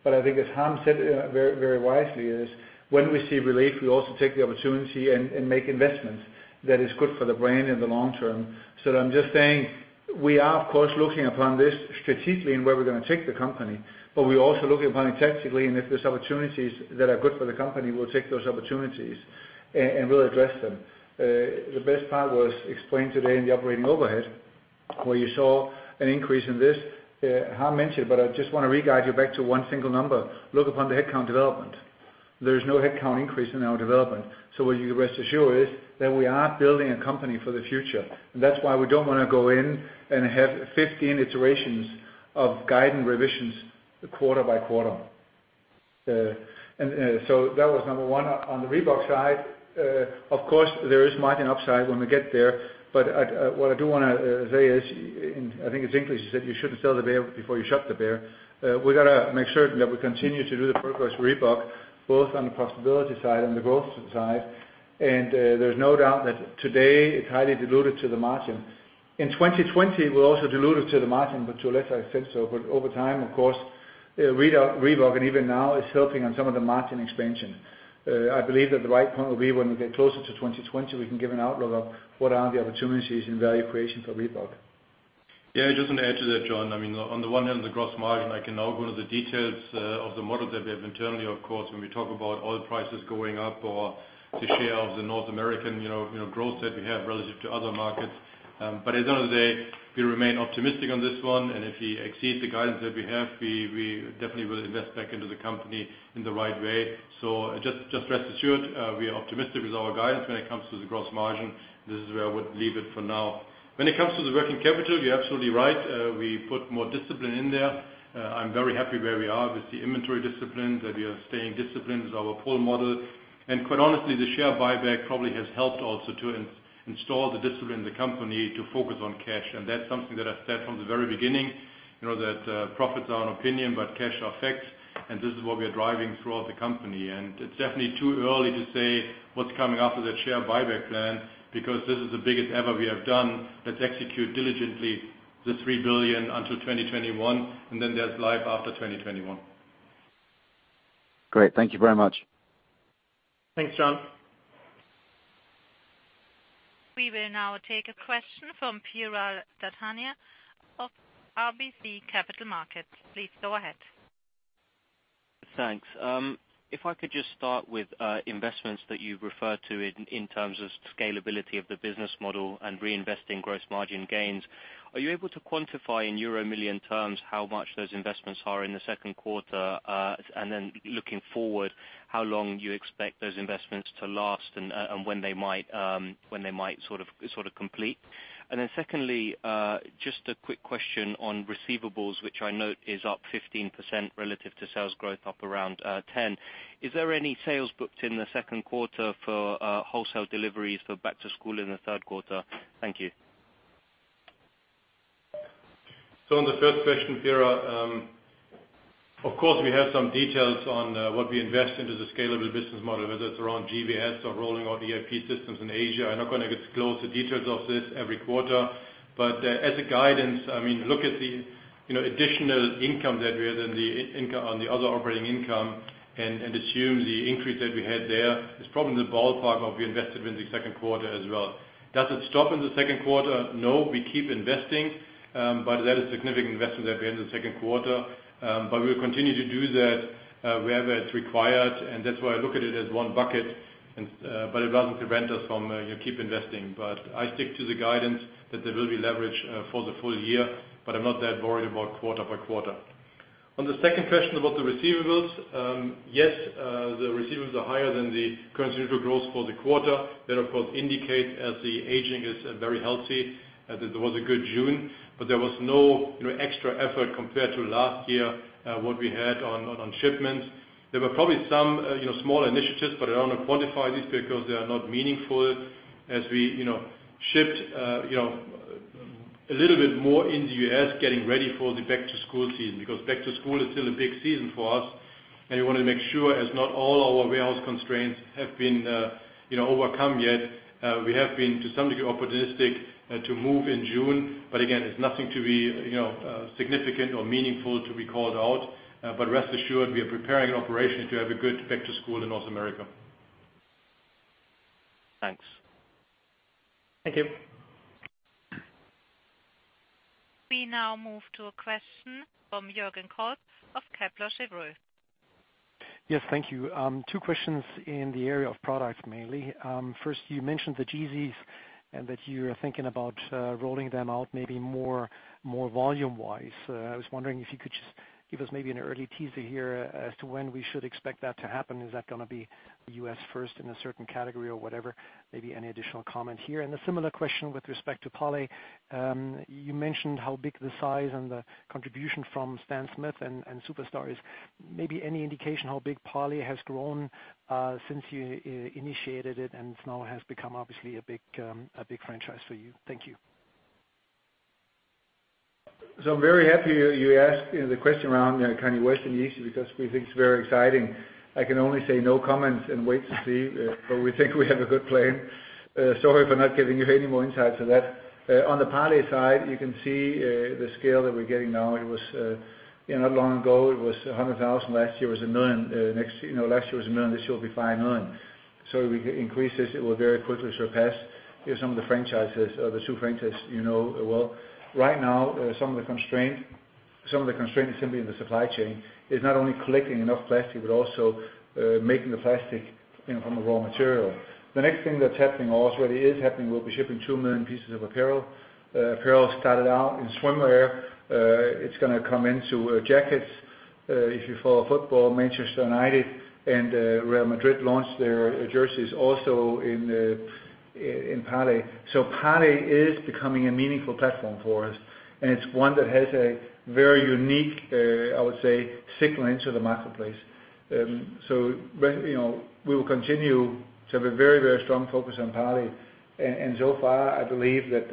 I think as Harm said very wisely is when we see relief, we also take the opportunity and make investments that is good for the brand in the long term. I'm just saying, we are, of course, looking upon this strategically and where we're going to take the company, but we're also looking upon it tactically, and if there's opportunities that are good for the company, we'll take those opportunities and really address them. The best part was explained today in the operating overhead, where you saw an increase in this. Harm mentioned it, but I just want to re-guide you back to one single number. Look upon the headcount development. There's no headcount increase in our development. What you rest assured is that we are building a company for the future, and that's why we don't want to go in and have 15 iterations of guide and revisions quarter by quarter. That was number one. On the Reebok side, of course, there is margin upside when we get there, but what I do want to say is, I think it's English that said you shouldn't sell the bear before you shot the bear. We got to make certain that we continue to do the progress with Reebok, both on the profitability side and the growth side. There's no doubt that today it's highly diluted to the margin. In 2020, we're also diluted to the margin, but to a lesser extent so. Over time, of course, Reebok, and even now, is helping on some of the margin expansion. I believe that the right point will be when we get closer to 2020, we can give an outlook of what are the opportunities in value creation for Reebok. Just to add to that, John. On the one hand, the gross margin, I can now go to the details of the model that we have internally, of course, when we talk about oil prices going up or the share of the North American growth that we have relative to other markets. As I say, we remain optimistic on this one. If we exceed the guidance that we have, we definitely will invest back into the company in the right way. Just rest assured, we are optimistic with our guidance when it comes to the gross margin. This is where I would leave it for now. When it comes to the working capital, you're absolutely right. I'm very happy where we are with the inventory discipline, that we are staying disciplined with our pull model. Quite honestly, the share buyback probably has helped also to install the discipline in the company to focus on cash. That's something that I said from the very beginning, that profits are an opinion, but cash are facts, and this is what we are driving throughout the company. It's definitely too early to say what's coming after that share buyback plan because this is the biggest ever we have done. Let's execute diligently the 3 billion until 2021, and then there's life after 2021. Great. Thank you very much. Thanks, John. We will now take a question from Piral Dadhania of RBC Capital Markets. Please go ahead. Thanks. If I could just start with investments that you referred to in terms of scalability of the business model and reinvesting gross margin gains. Are you able to quantify in euro million terms how much those investments are in the second quarter? Looking forward, how long you expect those investments to last and when they might sort of complete? Secondly, just a quick question on receivables, which I note is up 15% relative to sales growth up around 10%. Is there any sales booked in the second quarter for wholesale deliveries for back to school in the third quarter? Thank you. In the first question, Piral, of course, we have some details on what we invest into the scalable business model, whether it's around GBS or rolling out ERP systems in Asia. I'm not going to disclose the details of this every quarter, but as a guidance, look at the additional income that we had on the other operating income and assume the increase that we had there is probably the ballpark of we invested in the second quarter as well. Does it stop in the second quarter? No, we keep investing, but that is significant investment that we had in the second quarter. We'll continue to do that wherever it's required, and that's why I look at it as one bucket, but it doesn't prevent us from keep investing. I stick to the guidance that there will be leverage for the full year, but I'm not that worried about quarter by quarter. On the second question about the receivables, yes, the receivables are higher than the constitutional growth for the quarter. That, of course, indicate as the aging is very healthy, that there was a good June. There was no extra effort compared to last year, what we had on shipments. There were probably some small initiatives, but I don't want to quantify these because they are not meaningful as we shift a little bit more in the U.S. getting ready for the back-to-school season. Back to school is still a big season for us, and we want to make sure as not all our warehouse constraints have been overcome yet. We have been to some degree, opportunistic to move in June. Again, it's nothing to be significant or meaningful to be called out. Rest assured, we are preparing an operation to have a good back to school in North America. Thanks. Thank you. We now move to a question from Jürgen Kolb of Kepler Cheuvreux. Yes, thank you. Two questions in the area of products, mainly. First, you mentioned the Yeezys, and that you are thinking about rolling them out maybe more volume-wise. I was wondering if you could just give us maybe an early teaser here as to when we should expect that to happen. Is that going to be U.S. first in a certain category or whatever? Maybe any additional comment here. A similar question with respect to Parley. You mentioned how big the size and the contribution from Stan Smith and Superstar is. Maybe any indication how big Parley has grown since you initiated it, and it now has become obviously a big franchise for you. Thank you. I'm very happy you asked the question around Kanye West and East, because we think it's very exciting. I can only say no comments and wait to see, but we think we have a good plan. Sorry for not giving you any more insight to that. On the Parley side, you can see the scale that we're getting now. Not long ago, it was 100,000. Last year was 1 million. This year will be 5 million. We increase this, it will very quickly surpass some of the franchises or the two franchises you know well. Right now, some of the constraint is simply in the supply chain, is not only collecting enough plastic, but also making the plastic from the raw material. The next thing that's happening, or already is happening, we'll be shipping 2 million pieces of apparel. Apparel started out in swimwear. It's going to come into jackets. If you follow football, Manchester United and Real Madrid launched their jerseys also in Parley. Parley is becoming a meaningful platform for us, and it's one that has a very unique, I would say, signal into the marketplace. We will continue to have a very strong focus on Parley. So far, I believe that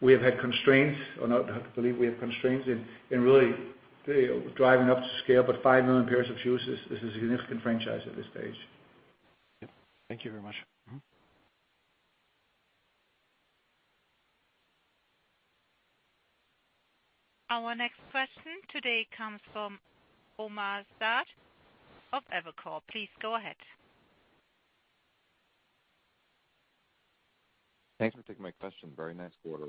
we have had constraints, or not have to believe we have constraints in really driving up to scale, but 5 million pairs of shoes, this is a significant franchise at this stage. Yep. Thank you very much. Mm-hmm. Our next question today comes from Omar Saad of Evercore. Please go ahead. Thanks for taking my question. Very nice quarter.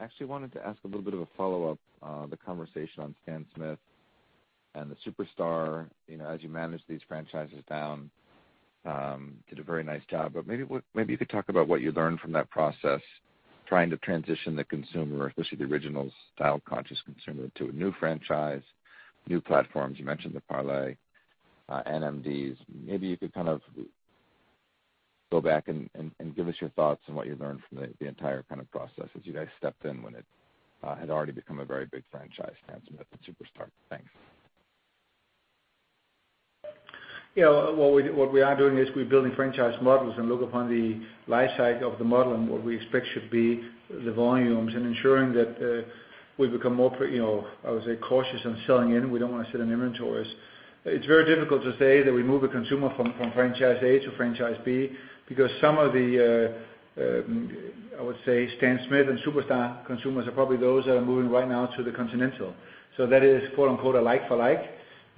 Actually wanted to ask a little bit of a follow-up on the conversation on Stan Smith and the Superstar. As you manage these franchises down, did a very nice job. Maybe you could talk about what you learned from that process, trying to transition the consumer, especially the original style-conscious consumer, to a new franchise, new platforms. You mentioned the Parley NMDs. Maybe you could go back and give us your thoughts on what you learned from the entire process as you guys stepped in when it had already become a very big franchise, Stan Smith and Superstar. Thanks. What we are doing is we're building franchise models and look upon the life cycle of the model and what we expect should be the volumes, and ensuring that we become more, I would say, cautious on selling in. We don't want to sit on inventories. It's very difficult to say that we move a consumer from franchise A to franchise B, because some of the, I would say, Stan Smith and Superstar consumers are probably those that are moving right now to the Continental. That is, quote unquote, a like for like.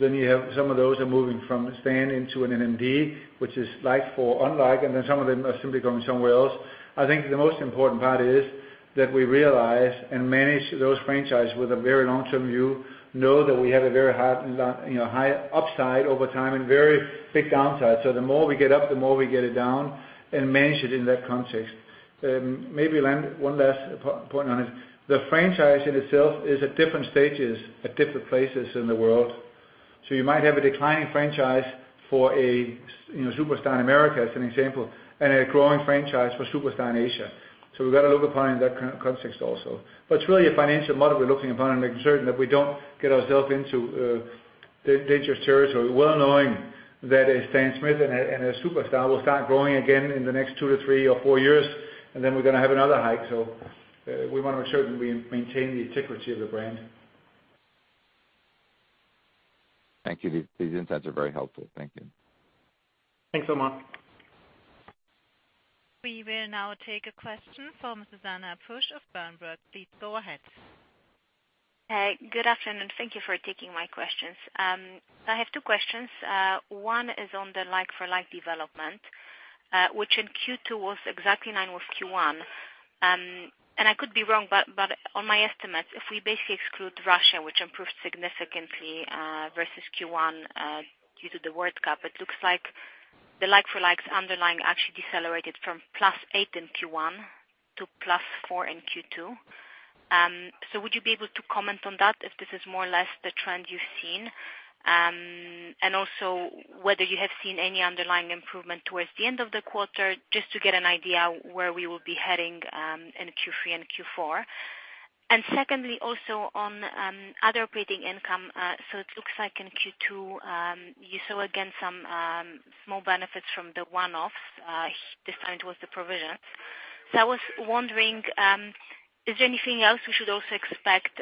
You have some of those are moving from Stan into an NMD, which is like for unlike, and some of them are simply going somewhere else. I think the most important part is that we realize and manage those franchises with a very long-term view, know that we have a very high upside over time, and very big downside. The more we get up, the more we get it down, and manage it in that context. Maybe one last point on it. The franchise in itself is at different stages at different places in the world. You might have a declining franchise for a Superstar in America, as an example, and a growing franchise for Superstar in Asia. We've got to look upon it in that context also. It's really a financial model we're looking upon and making certain that we don't get ourselves into dangerous territory. Well knowing that a Stan Smith and a Superstar will start growing again in the next two to three or four years, and then we're going to have another hike. We want to make sure that we maintain the integrity of the brand. Thank you. These insights are very helpful. Thank you. Thanks, Omar. We will now take a question from Susanna Foers of Berenberg. Please go ahead. Hey, good afternoon. Thank you for taking my questions. I have two questions. One is on the like for like development, which in Q2 was exactly in line with Q1. I could be wrong, but on my estimates, if we basically exclude Russia, which improved significantly versus Q1 due to the World Cup, it looks like the like for likes underlying actually decelerated from +8% in Q1 to +4% in Q2. Also whether you have seen any underlying improvement towards the end of the quarter, just to get an idea where we will be heading in Q3 and Q4. Secondly, also on other operating income. It looks like in Q2, you saw again some small benefits from the one-offs. This time it was the provision. I was wondering, is there anything else we should also expect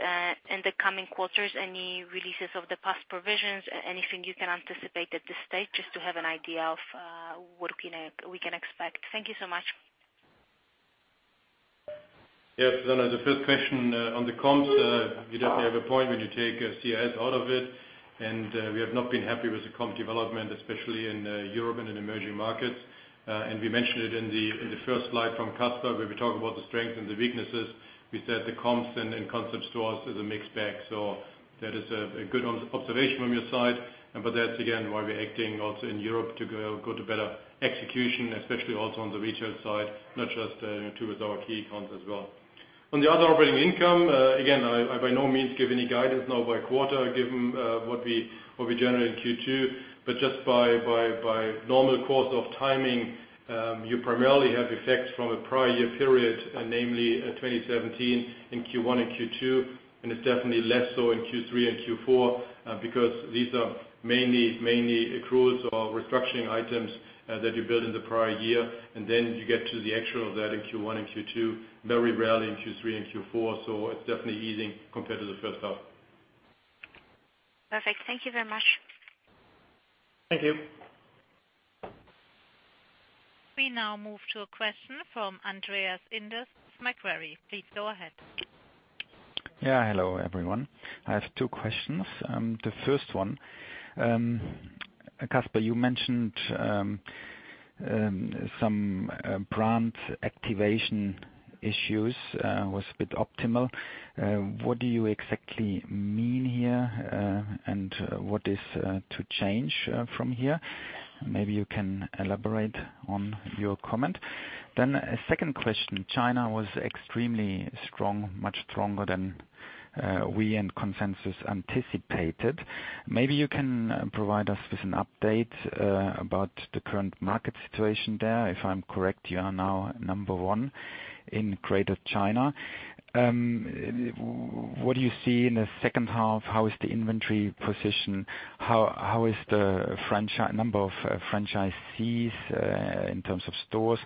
in the coming quarters? Any releases of the past provisions? Anything you can anticipate at this stage, just to have an idea of what we can expect. Thank you so much. Susanna, the first question on the comps, you definitely have a point when you take CIS out of it. We have not been happy with the comp development, especially in Europe and in emerging markets. We mentioned it in the first slide from Kasper, where we talk about the strengths and the weaknesses. We said the comps and concept stores is a mixed bag. That is a good observation from your side, that's again, why we're acting also in Europe to go to better execution, especially also on the retail side, not just with our key accounts as well. On the other operating income, again, I by no means give any guidance now by quarter, given what we generated in Q2. Just by normal course of timing, you primarily have effects from a prior year period, namely 2017, in Q1 and Q2, it's definitely less so in Q3 and Q4 because these are mainly accruals or restructuring items that you build in the prior year. Then you get to the actual of that in Q1 and Q2, very rarely in Q3 and Q4. It's definitely easing compared to the first half. Perfect. Thank you very much. Thank you. We now move to a question from Andreas Inderst from Macquarie. Please go ahead. Yeah. Hello, everyone. I have two questions. The first one, Kasper, you mentioned some brand activation issues, was suboptimal. What do you exactly mean here? What is to change from here? Maybe you can elaborate on your comment. A second question. China was extremely strong, much stronger than we and consensus anticipated. Maybe you can provide us with an update about the current market situation there. If I'm correct, you are now number one in Greater China. What do you see in the second half? How is the inventory position? How is the number of franchisees in terms of stores?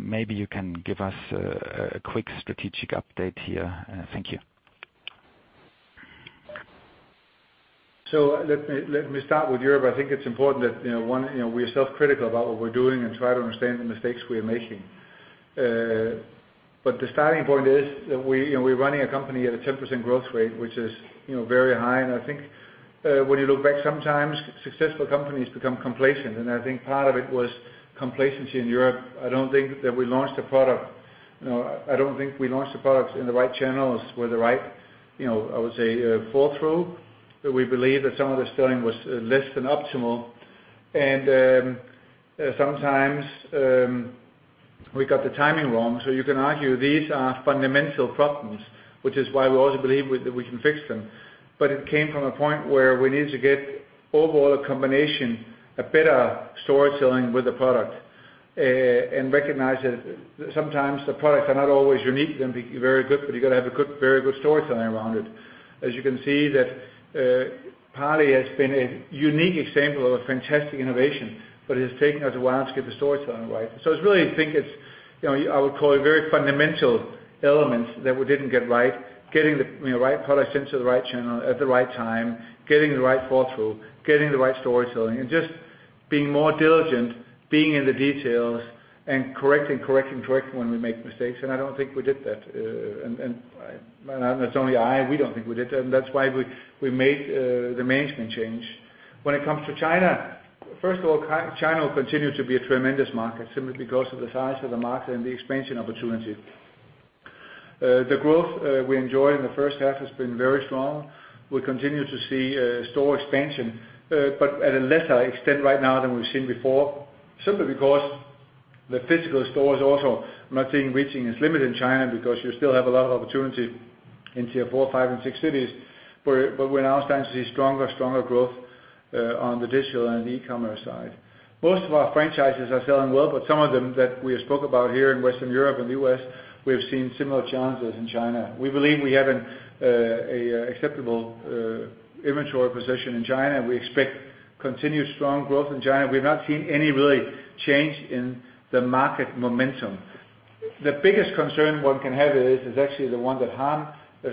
Maybe you can give us a quick strategic update here. Thank you. Let me start with Europe. I think it's important that, one, we're self-critical about what we're doing and try to understand the mistakes we're making. The starting point is that we're running a company at a 10% growth rate, which is very high. I think when you look back sometimes, successful companies become complacent, and I think part of it was complacency in Europe. I don't think that we launched the products in the right channels with the right, I would say, follow-through. That we believe that some of the selling was less than optimal, and sometimes we got the timing wrong. You can argue these are fundamental problems, which is why we also believe that we can fix them. It came from a point where we need to get overall a combination, a better store selling with the product, and recognize that sometimes the products are not always unique and very good, but you got to have a very good store selling around it. As you can see, that Parley has been a unique example of a fantastic innovation, but it has taken us a while to get the store selling right. It's really, I would call it very fundamental elements that we didn't get right. Getting the right product into the right channel at the right time, getting the right follow-through, getting the right store selling, and just being more diligent, being in the details, and correcting when we make mistakes, and I don't think we did that. Not only I, we don't think we did that, and that's why we made the management change. When it comes to China, first of all, China will continue to be a tremendous market simply because of the size of the market and the expansion opportunity. The growth we enjoy in the first half has been very strong. We continue to see store expansion, but at a lesser extent right now than we've seen before, simply because the physical stores also, I'm not saying reaching its limit in China because you still have a lot of opportunity in tier 4, 5, and 6 cities. We're now starting to see stronger growth on the digital and e-commerce side. Most of our franchises are selling well, but some of them that we spoke about here in Western Europe and the U.S., we have seen similar challenges in China. We believe we have an acceptable inventory position in China, and we expect continued strong growth in China. We've not seen any really change in the market momentum. The biggest concern one can have is actually the one that Harm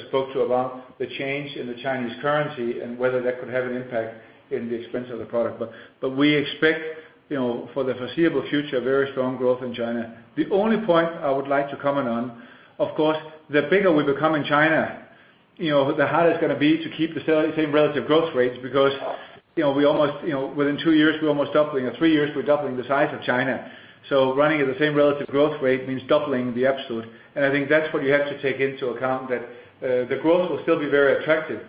spoke to about the change in the Chinese currency and whether that could have an impact in the expense of the product. We expect, for the foreseeable future, very strong growth in China. The only point I would like to comment on, of course, the bigger we become in China, the harder it's going to be to keep the same relative growth rates because within 2 years, we're almost doubling. In 3 years, we're doubling the size of China. Running at the same relative growth rate means doubling the absolute. I think that's what you have to take into account that the growth will still be very attractive,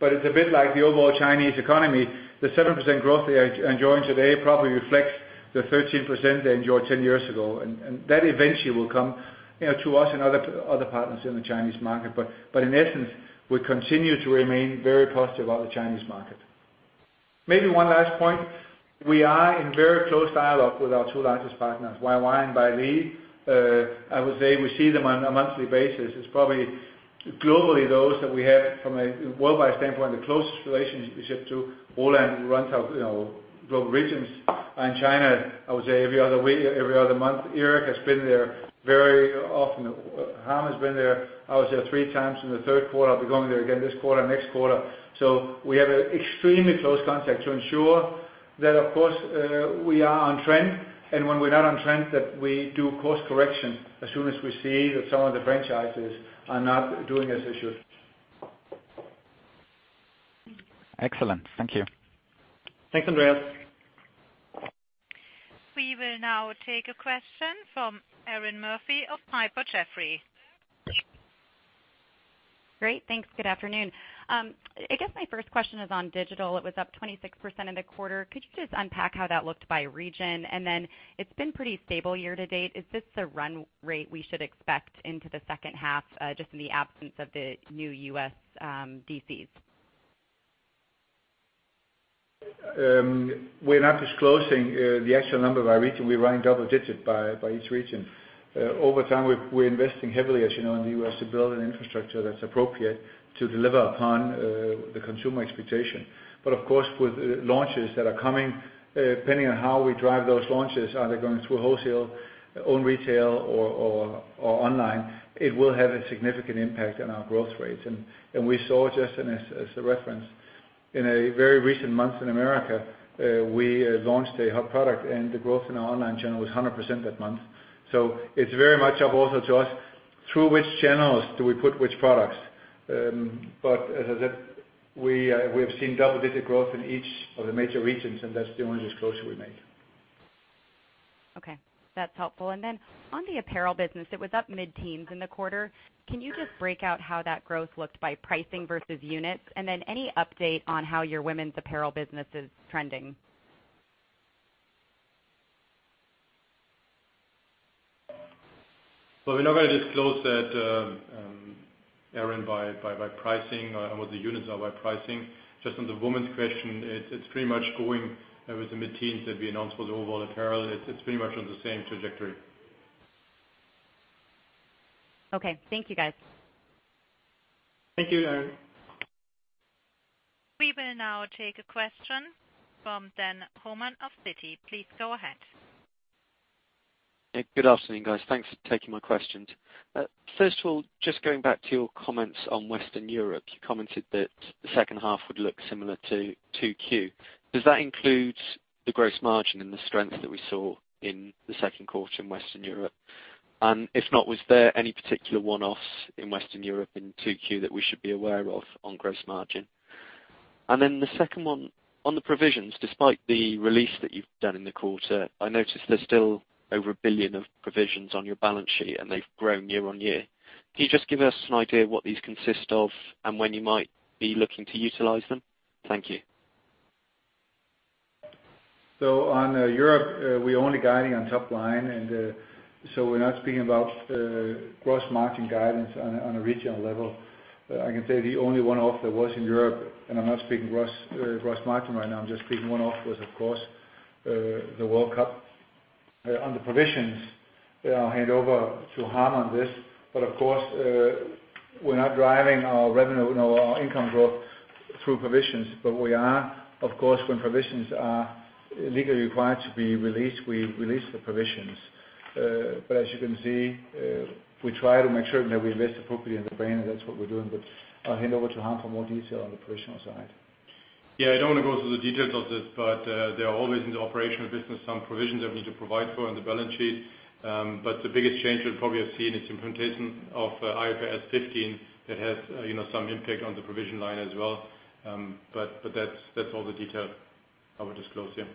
but it's a bit like the overall Chinese economy. The 7% growth they are enjoying today probably reflects the 13% they enjoyed 10 years ago, and that eventually will come to us and other partners in the Chinese market. In essence, we continue to remain very positive about the Chinese market. Maybe one last point. We are in very close dialogue with our two largest partners, YY and Belle. I would say we see them on a monthly basis. It's probably globally those that we have from a worldwide standpoint, the closest relationship to. Roland, who runs our global regions in China, I would say every other month. Eric has been there very often. Harm has been there. I was there three times in the third quarter. I'll be going there again this quarter, next quarter. We have extremely close contact to ensure that of course, we are on trend, and when we're not on trend, that we do course correction as soon as we see that some of the franchises are not doing as they should. Excellent. Thank you. Thanks, Andreas. We will now take a question from Erinn Murphy of Piper Jaffray. Great. Thanks. Good afternoon. I guess my first question is on digital. It was up 26% in the quarter. Could you just unpack how that looked by region? It's been pretty stable year to date. Is this the run rate we should expect into the second half, just in the absence of the new U.S. DCs? We're not disclosing the actual number by region. We rank double digit by each region. Over time, we're investing heavily, as you know, in the U.S. to build an infrastructure that's appropriate to deliver upon the consumer expectation. Of course, with launches that are coming, depending on how we drive those launches, are they going through wholesale, own retail, or online? It will have a significant impact on our growth rates. We saw just as a reference in a very recent month in America, we launched a hot product, and the growth in our online channel was 100% that month. It's very much up also to us through which channels do we put which products. As I said, we have seen double-digit growth in each of the major regions, and that's the only disclosure we make. Okay. That's helpful. On the apparel business, it was up mid-teens in the quarter. Can you just break out how that growth looked by pricing versus units? Any update on how your women's apparel business is trending? We never disclose that, Erinn, by pricing or what the units are by pricing. Just on the women's question, it's pretty much going with the mid-teens that we announced for the overall apparel. It's pretty much on the same trajectory. Okay. Thank you, guys. Thank you, Erinn. We will now take a question from Dan Homan of Citi. Please go ahead. Good afternoon, guys. Thanks for taking my questions. First of all, just going back to your comments on Western Europe, you commented that the second half would look similar to 2Q. Does that include the gross margin and the strength that we saw in the second quarter in Western Europe? If not, was there any particular one-offs in Western Europe in 2Q that we should be aware of on gross margin? Then the second one, on the provisions, despite the release that you've done in the quarter, I noticed there's still over 1 billion of provisions on your balance sheet, and they've grown year-on-year. Can you just give us an idea of what these consist of and when you might be looking to utilize them? Thank you. On Europe, we're only guiding on top line. We're not speaking about gross margin guidance on a regional level. I can say the only one-off there was in Europe, and I'm not speaking gross margin right now, I'm just speaking one-off, was of course, the World Cup. On the provisions, I'll hand over to Harm on this. Of course, we're not driving our revenue or our income growth through provisions. We are, of course, when provisions are legally required to be released, we release the provisions. As you can see, we try to make sure that we invest appropriately in the brand, and that's what we're doing. I'll hand over to Harm for more detail on the provisional side. I don't want to go through the details of this, there are always in the operational business some provisions that we need to provide for on the balance sheet. The biggest change you'll probably have seen is implementation of IFRS 15 that has some impact on the provision line as well. That's all the detail I would disclose here.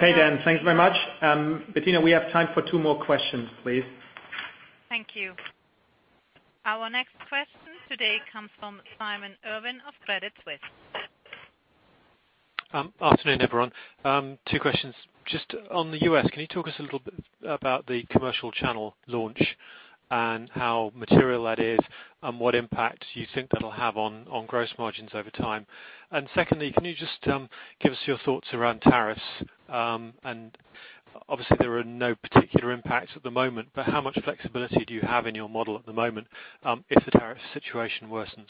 Dan, thanks very much. Bettina, we have time for two more questions, please. Thank you. Our next question today comes from Simon Irwin of Credit Suisse. Afternoon, everyone. Two questions. On the U.S., can you talk to us a little bit about the commercial channel launch and how material that is and what impact you think that will have on gross margins over time? Secondly, can you just give us your thoughts around tariffs? Obviously there are no particular impacts at the moment, but how much flexibility do you have in your model at the moment if the tariff situation worsens?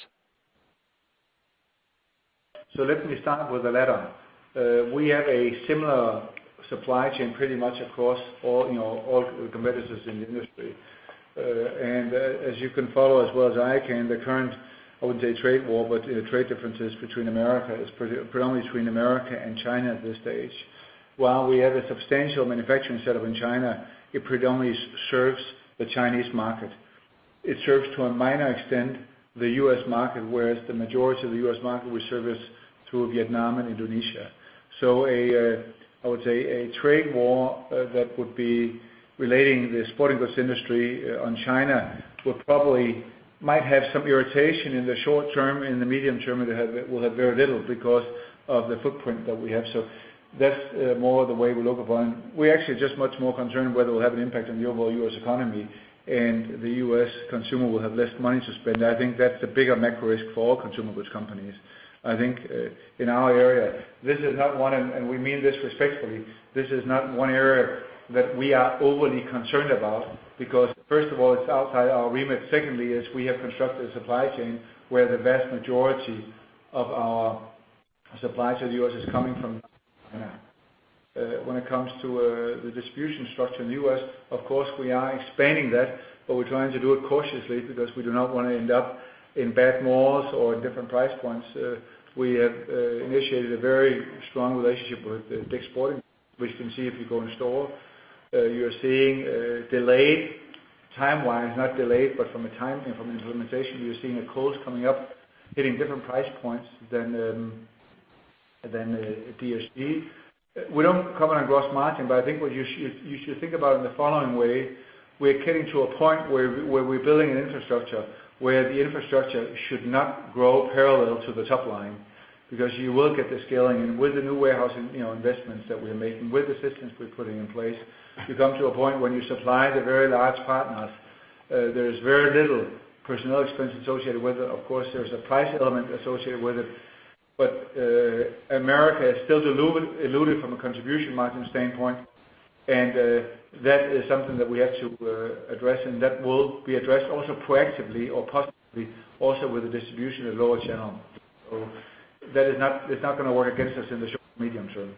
Let me start with the latter. We have a similar supply chain pretty much across all competitors in the industry. As you can follow as well as I can, the current, I wouldn't say trade war, but trade differences between the U.S. is predominantly between the U.S. and China at this stage. While we have a substantial manufacturing setup in China, it predominantly serves the Chinese market. It serves to a minor extent the U.S. market, whereas the majority of the U.S. market we service through Vietnam and Indonesia. I would say a trade war that would be relating the sporting goods industry on China will probably might have some irritation in the short term. In the medium term, it will have very little because of the footprint that we have. That's more the way we look upon. We're actually just much more concerned whether it will have an impact on the overall U.S. economy, and the U.S. consumer will have less money to spend. I think that's the bigger macro risk for all consumer goods companies. I think in our area, this is not one, and we mean this respectfully, this is not one area that we are overly concerned about because first of all, it's outside our remit. Secondly is we have constructed a supply chain where the vast majority of our supplies to the U.S. is coming, when it comes to the distribution structure in the U.S., of course, we are expanding that, but we're trying to do it cautiously because we do not want to end up in bad malls or in different price points. We have initiated a very strong relationship with DICK'S Sporting, which you can see if you go in store. You're seeing Dele Alli Time-wise, not delayed, but from a time and from implementation, we are seeing a close coming up, hitting different price points than DSD. I think what you should think about in the following way, we're getting to a point where we're building an infrastructure where the infrastructure should not grow parallel to the top line because you will get the scaling. With the new warehouse investments that we are making, with the systems we're putting in place, you come to a point when you supply the very large partners, there is very little personnel expense associated with it. Of course, there's a price element associated with it. America is still diluting from a contribution margin standpoint. That is something that we have to address, and that will be addressed also proactively or possibly also with the distribution at lower channel. That is not going to work against us in the short, medium term.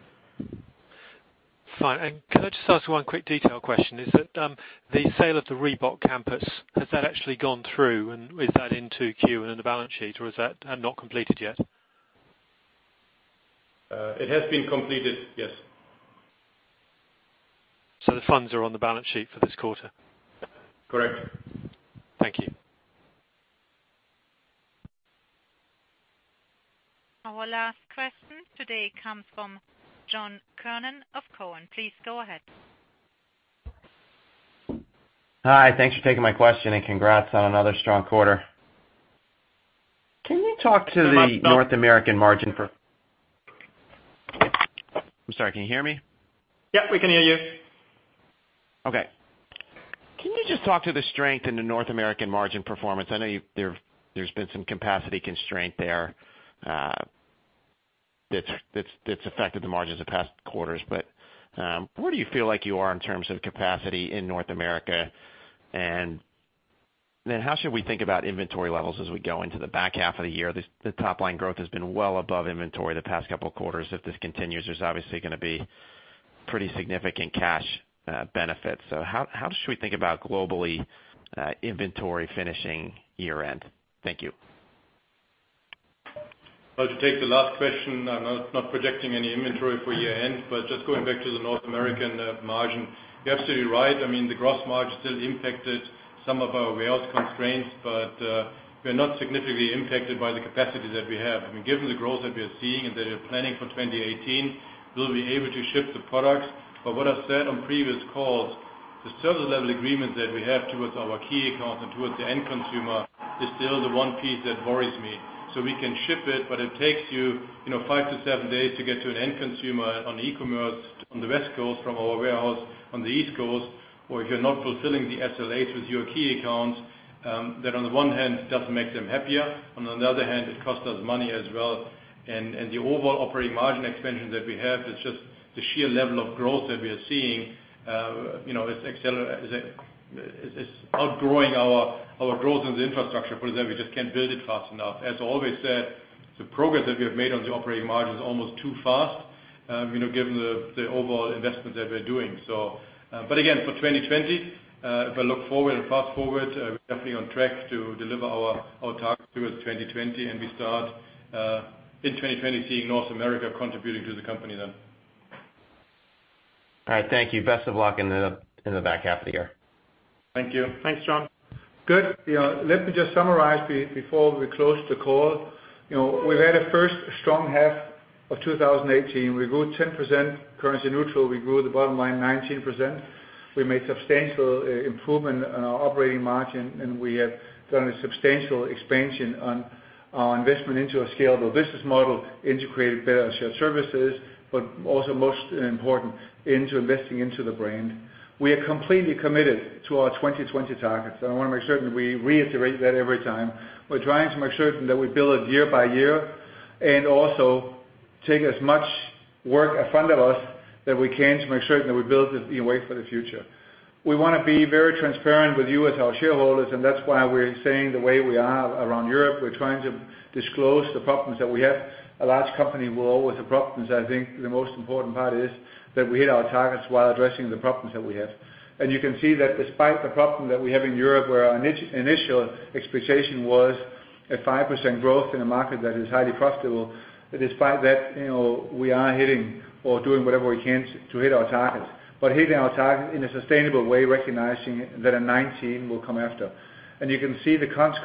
Fine. Can I just ask one quick detail question? Is that the sale of the Reebok campus, has that actually gone through and is that into Q and the balance sheet or is that not completed yet? It has been completed, yes. The funds are on the balance sheet for this quarter? Correct. Thank you. Our last question today comes from John Kernan of Cowen. Please go ahead. Hi, thanks for taking my question. Congrats on another strong quarter. Can you talk to the North American margin for? I'm sorry, can you hear me? Yep, we can hear you. Okay. Can you just talk to the strength in the North American margin performance? I know there's been some capacity constraint there that's affected the margins the past quarters. Where do you feel like you are in terms of capacity in North America? How should we think about inventory levels as we go into the back half of the year? The top line growth has been well above inventory the past couple of quarters. If this continues, there's obviously going to be pretty significant cash benefits. How should we think about globally inventory finishing year-end? Thank you. I'll just take the last question. I'm not projecting any inventory for year-end, but just going back to the North American margin. You're absolutely right. The gross margin still impacted some of our warehouse constraints, but we're not significantly impacted by the capacity that we have. Given the growth that we are seeing and that we are planning for 2018, we'll be able to ship the products. What I've said on previous calls, the Service-Level Agreement that we have towards our key accounts and towards the end consumer is still the one piece that worries me. We can ship it, but it takes you 5 to 7 days to get to an end consumer on e-commerce on the West Coast from our warehouse on the East Coast. If you're not fulfilling the SLAs with your key accounts, that on the one hand doesn't make them happier. On the other hand, it costs us money as well. The overall operating margin expansion that we have is just the sheer level of growth that we are seeing is outgrowing our growth in the infrastructure. Put it that we just can't build it fast enough. As I always said, the progress that we have made on the operating margin is almost too fast given the overall investments that we're doing. Again, for 2020, if I look forward and fast forward, we're definitely on track to deliver our targets towards 2020, and we start in 2020 seeing North America contributing to the company then. All right. Thank you. Best of luck in the back half of the year. Thank you. Thanks, John. Good. Let me just summarize before we close the call. We've had a first strong half of 2018. We grew 10%. Currency neutral, we grew the bottom line 19%. We made substantial improvement on our operating margin. We have done a substantial expansion on our investment into a scalable business model, integrated better shared services, also most important, into investing into the brand. We are completely committed to our 2020 targets. I want to make certain we reiterate that every time. We're trying to make certain that we build it year by year and also take as much work in front of us that we can to make certain that we build it in a way for the future. We want to be very transparent with you as our shareholders, that's why we're saying the way we are around Europe. We're trying to disclose the problems that we have. A large company will always have problems. I think the most important part is that we hit our targets while addressing the problems that we have. You can see that despite the problem that we have in Europe, where our initial expectation was a 5% growth in a market that is highly profitable, despite that, we are hitting or doing whatever we can to hit our targets. Hitting our targets in a sustainable way, recognizing that 2019 will come after. You can see the cost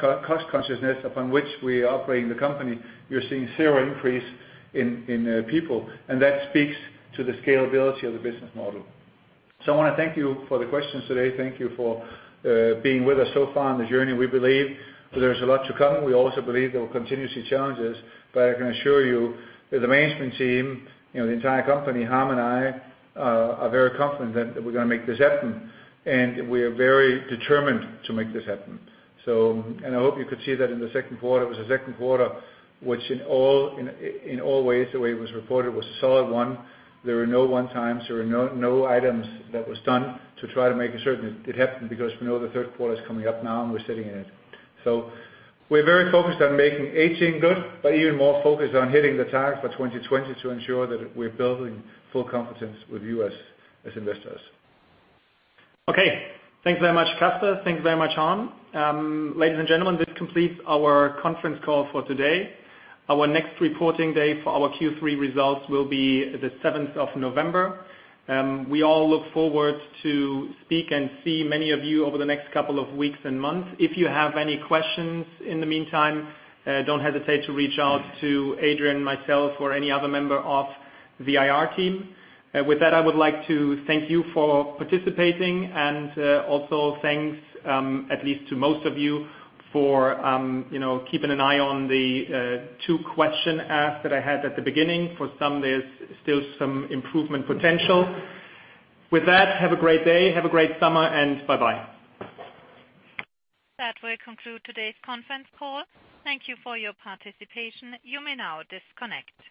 consciousness upon which we are operating the company. You're seeing zero increase in people, and that speaks to the scalability of the business model. I want to thank you for the questions today. Thank you for being with us so far on the journey. We believe there's a lot to come. We also believe there will continuously challenges, I can assure you that the management team, the entire company, Harm and I are very confident that we're going to make this happen, we are very determined to make this happen. I hope you could see that in the second quarter. It was a second quarter, which in all ways, the way it was reported, was a solid one. There were no one-timers. There were no items that was done to try to make it certain it happened because we know the third quarter is coming up now and we're sitting in it. We're very focused on making 2018 good, but even more focused on hitting the target for 2020 to ensure that we're building full confidence with you as investors. Okay. Thanks very much, Kasper. Thanks very much, Harm. Ladies and gentlemen, this completes our conference call for today. Our next reporting day for our Q3 results will be the 7th of November. We all look forward to speak and see many of you over the next couple of weeks and months. If you have any questions in the meantime, don't hesitate to reach out to Adrian, myself, or any other member of the IR team. With that, I would like to thank you for participating and also thanks, at least to most of you for keeping an eye on the two question asks that I had at the beginning. For some, there's still some improvement potential. With that, have a great day, have a great summer, and bye-bye. That will conclude today's conference call. Thank you for your participation. You may now disconnect.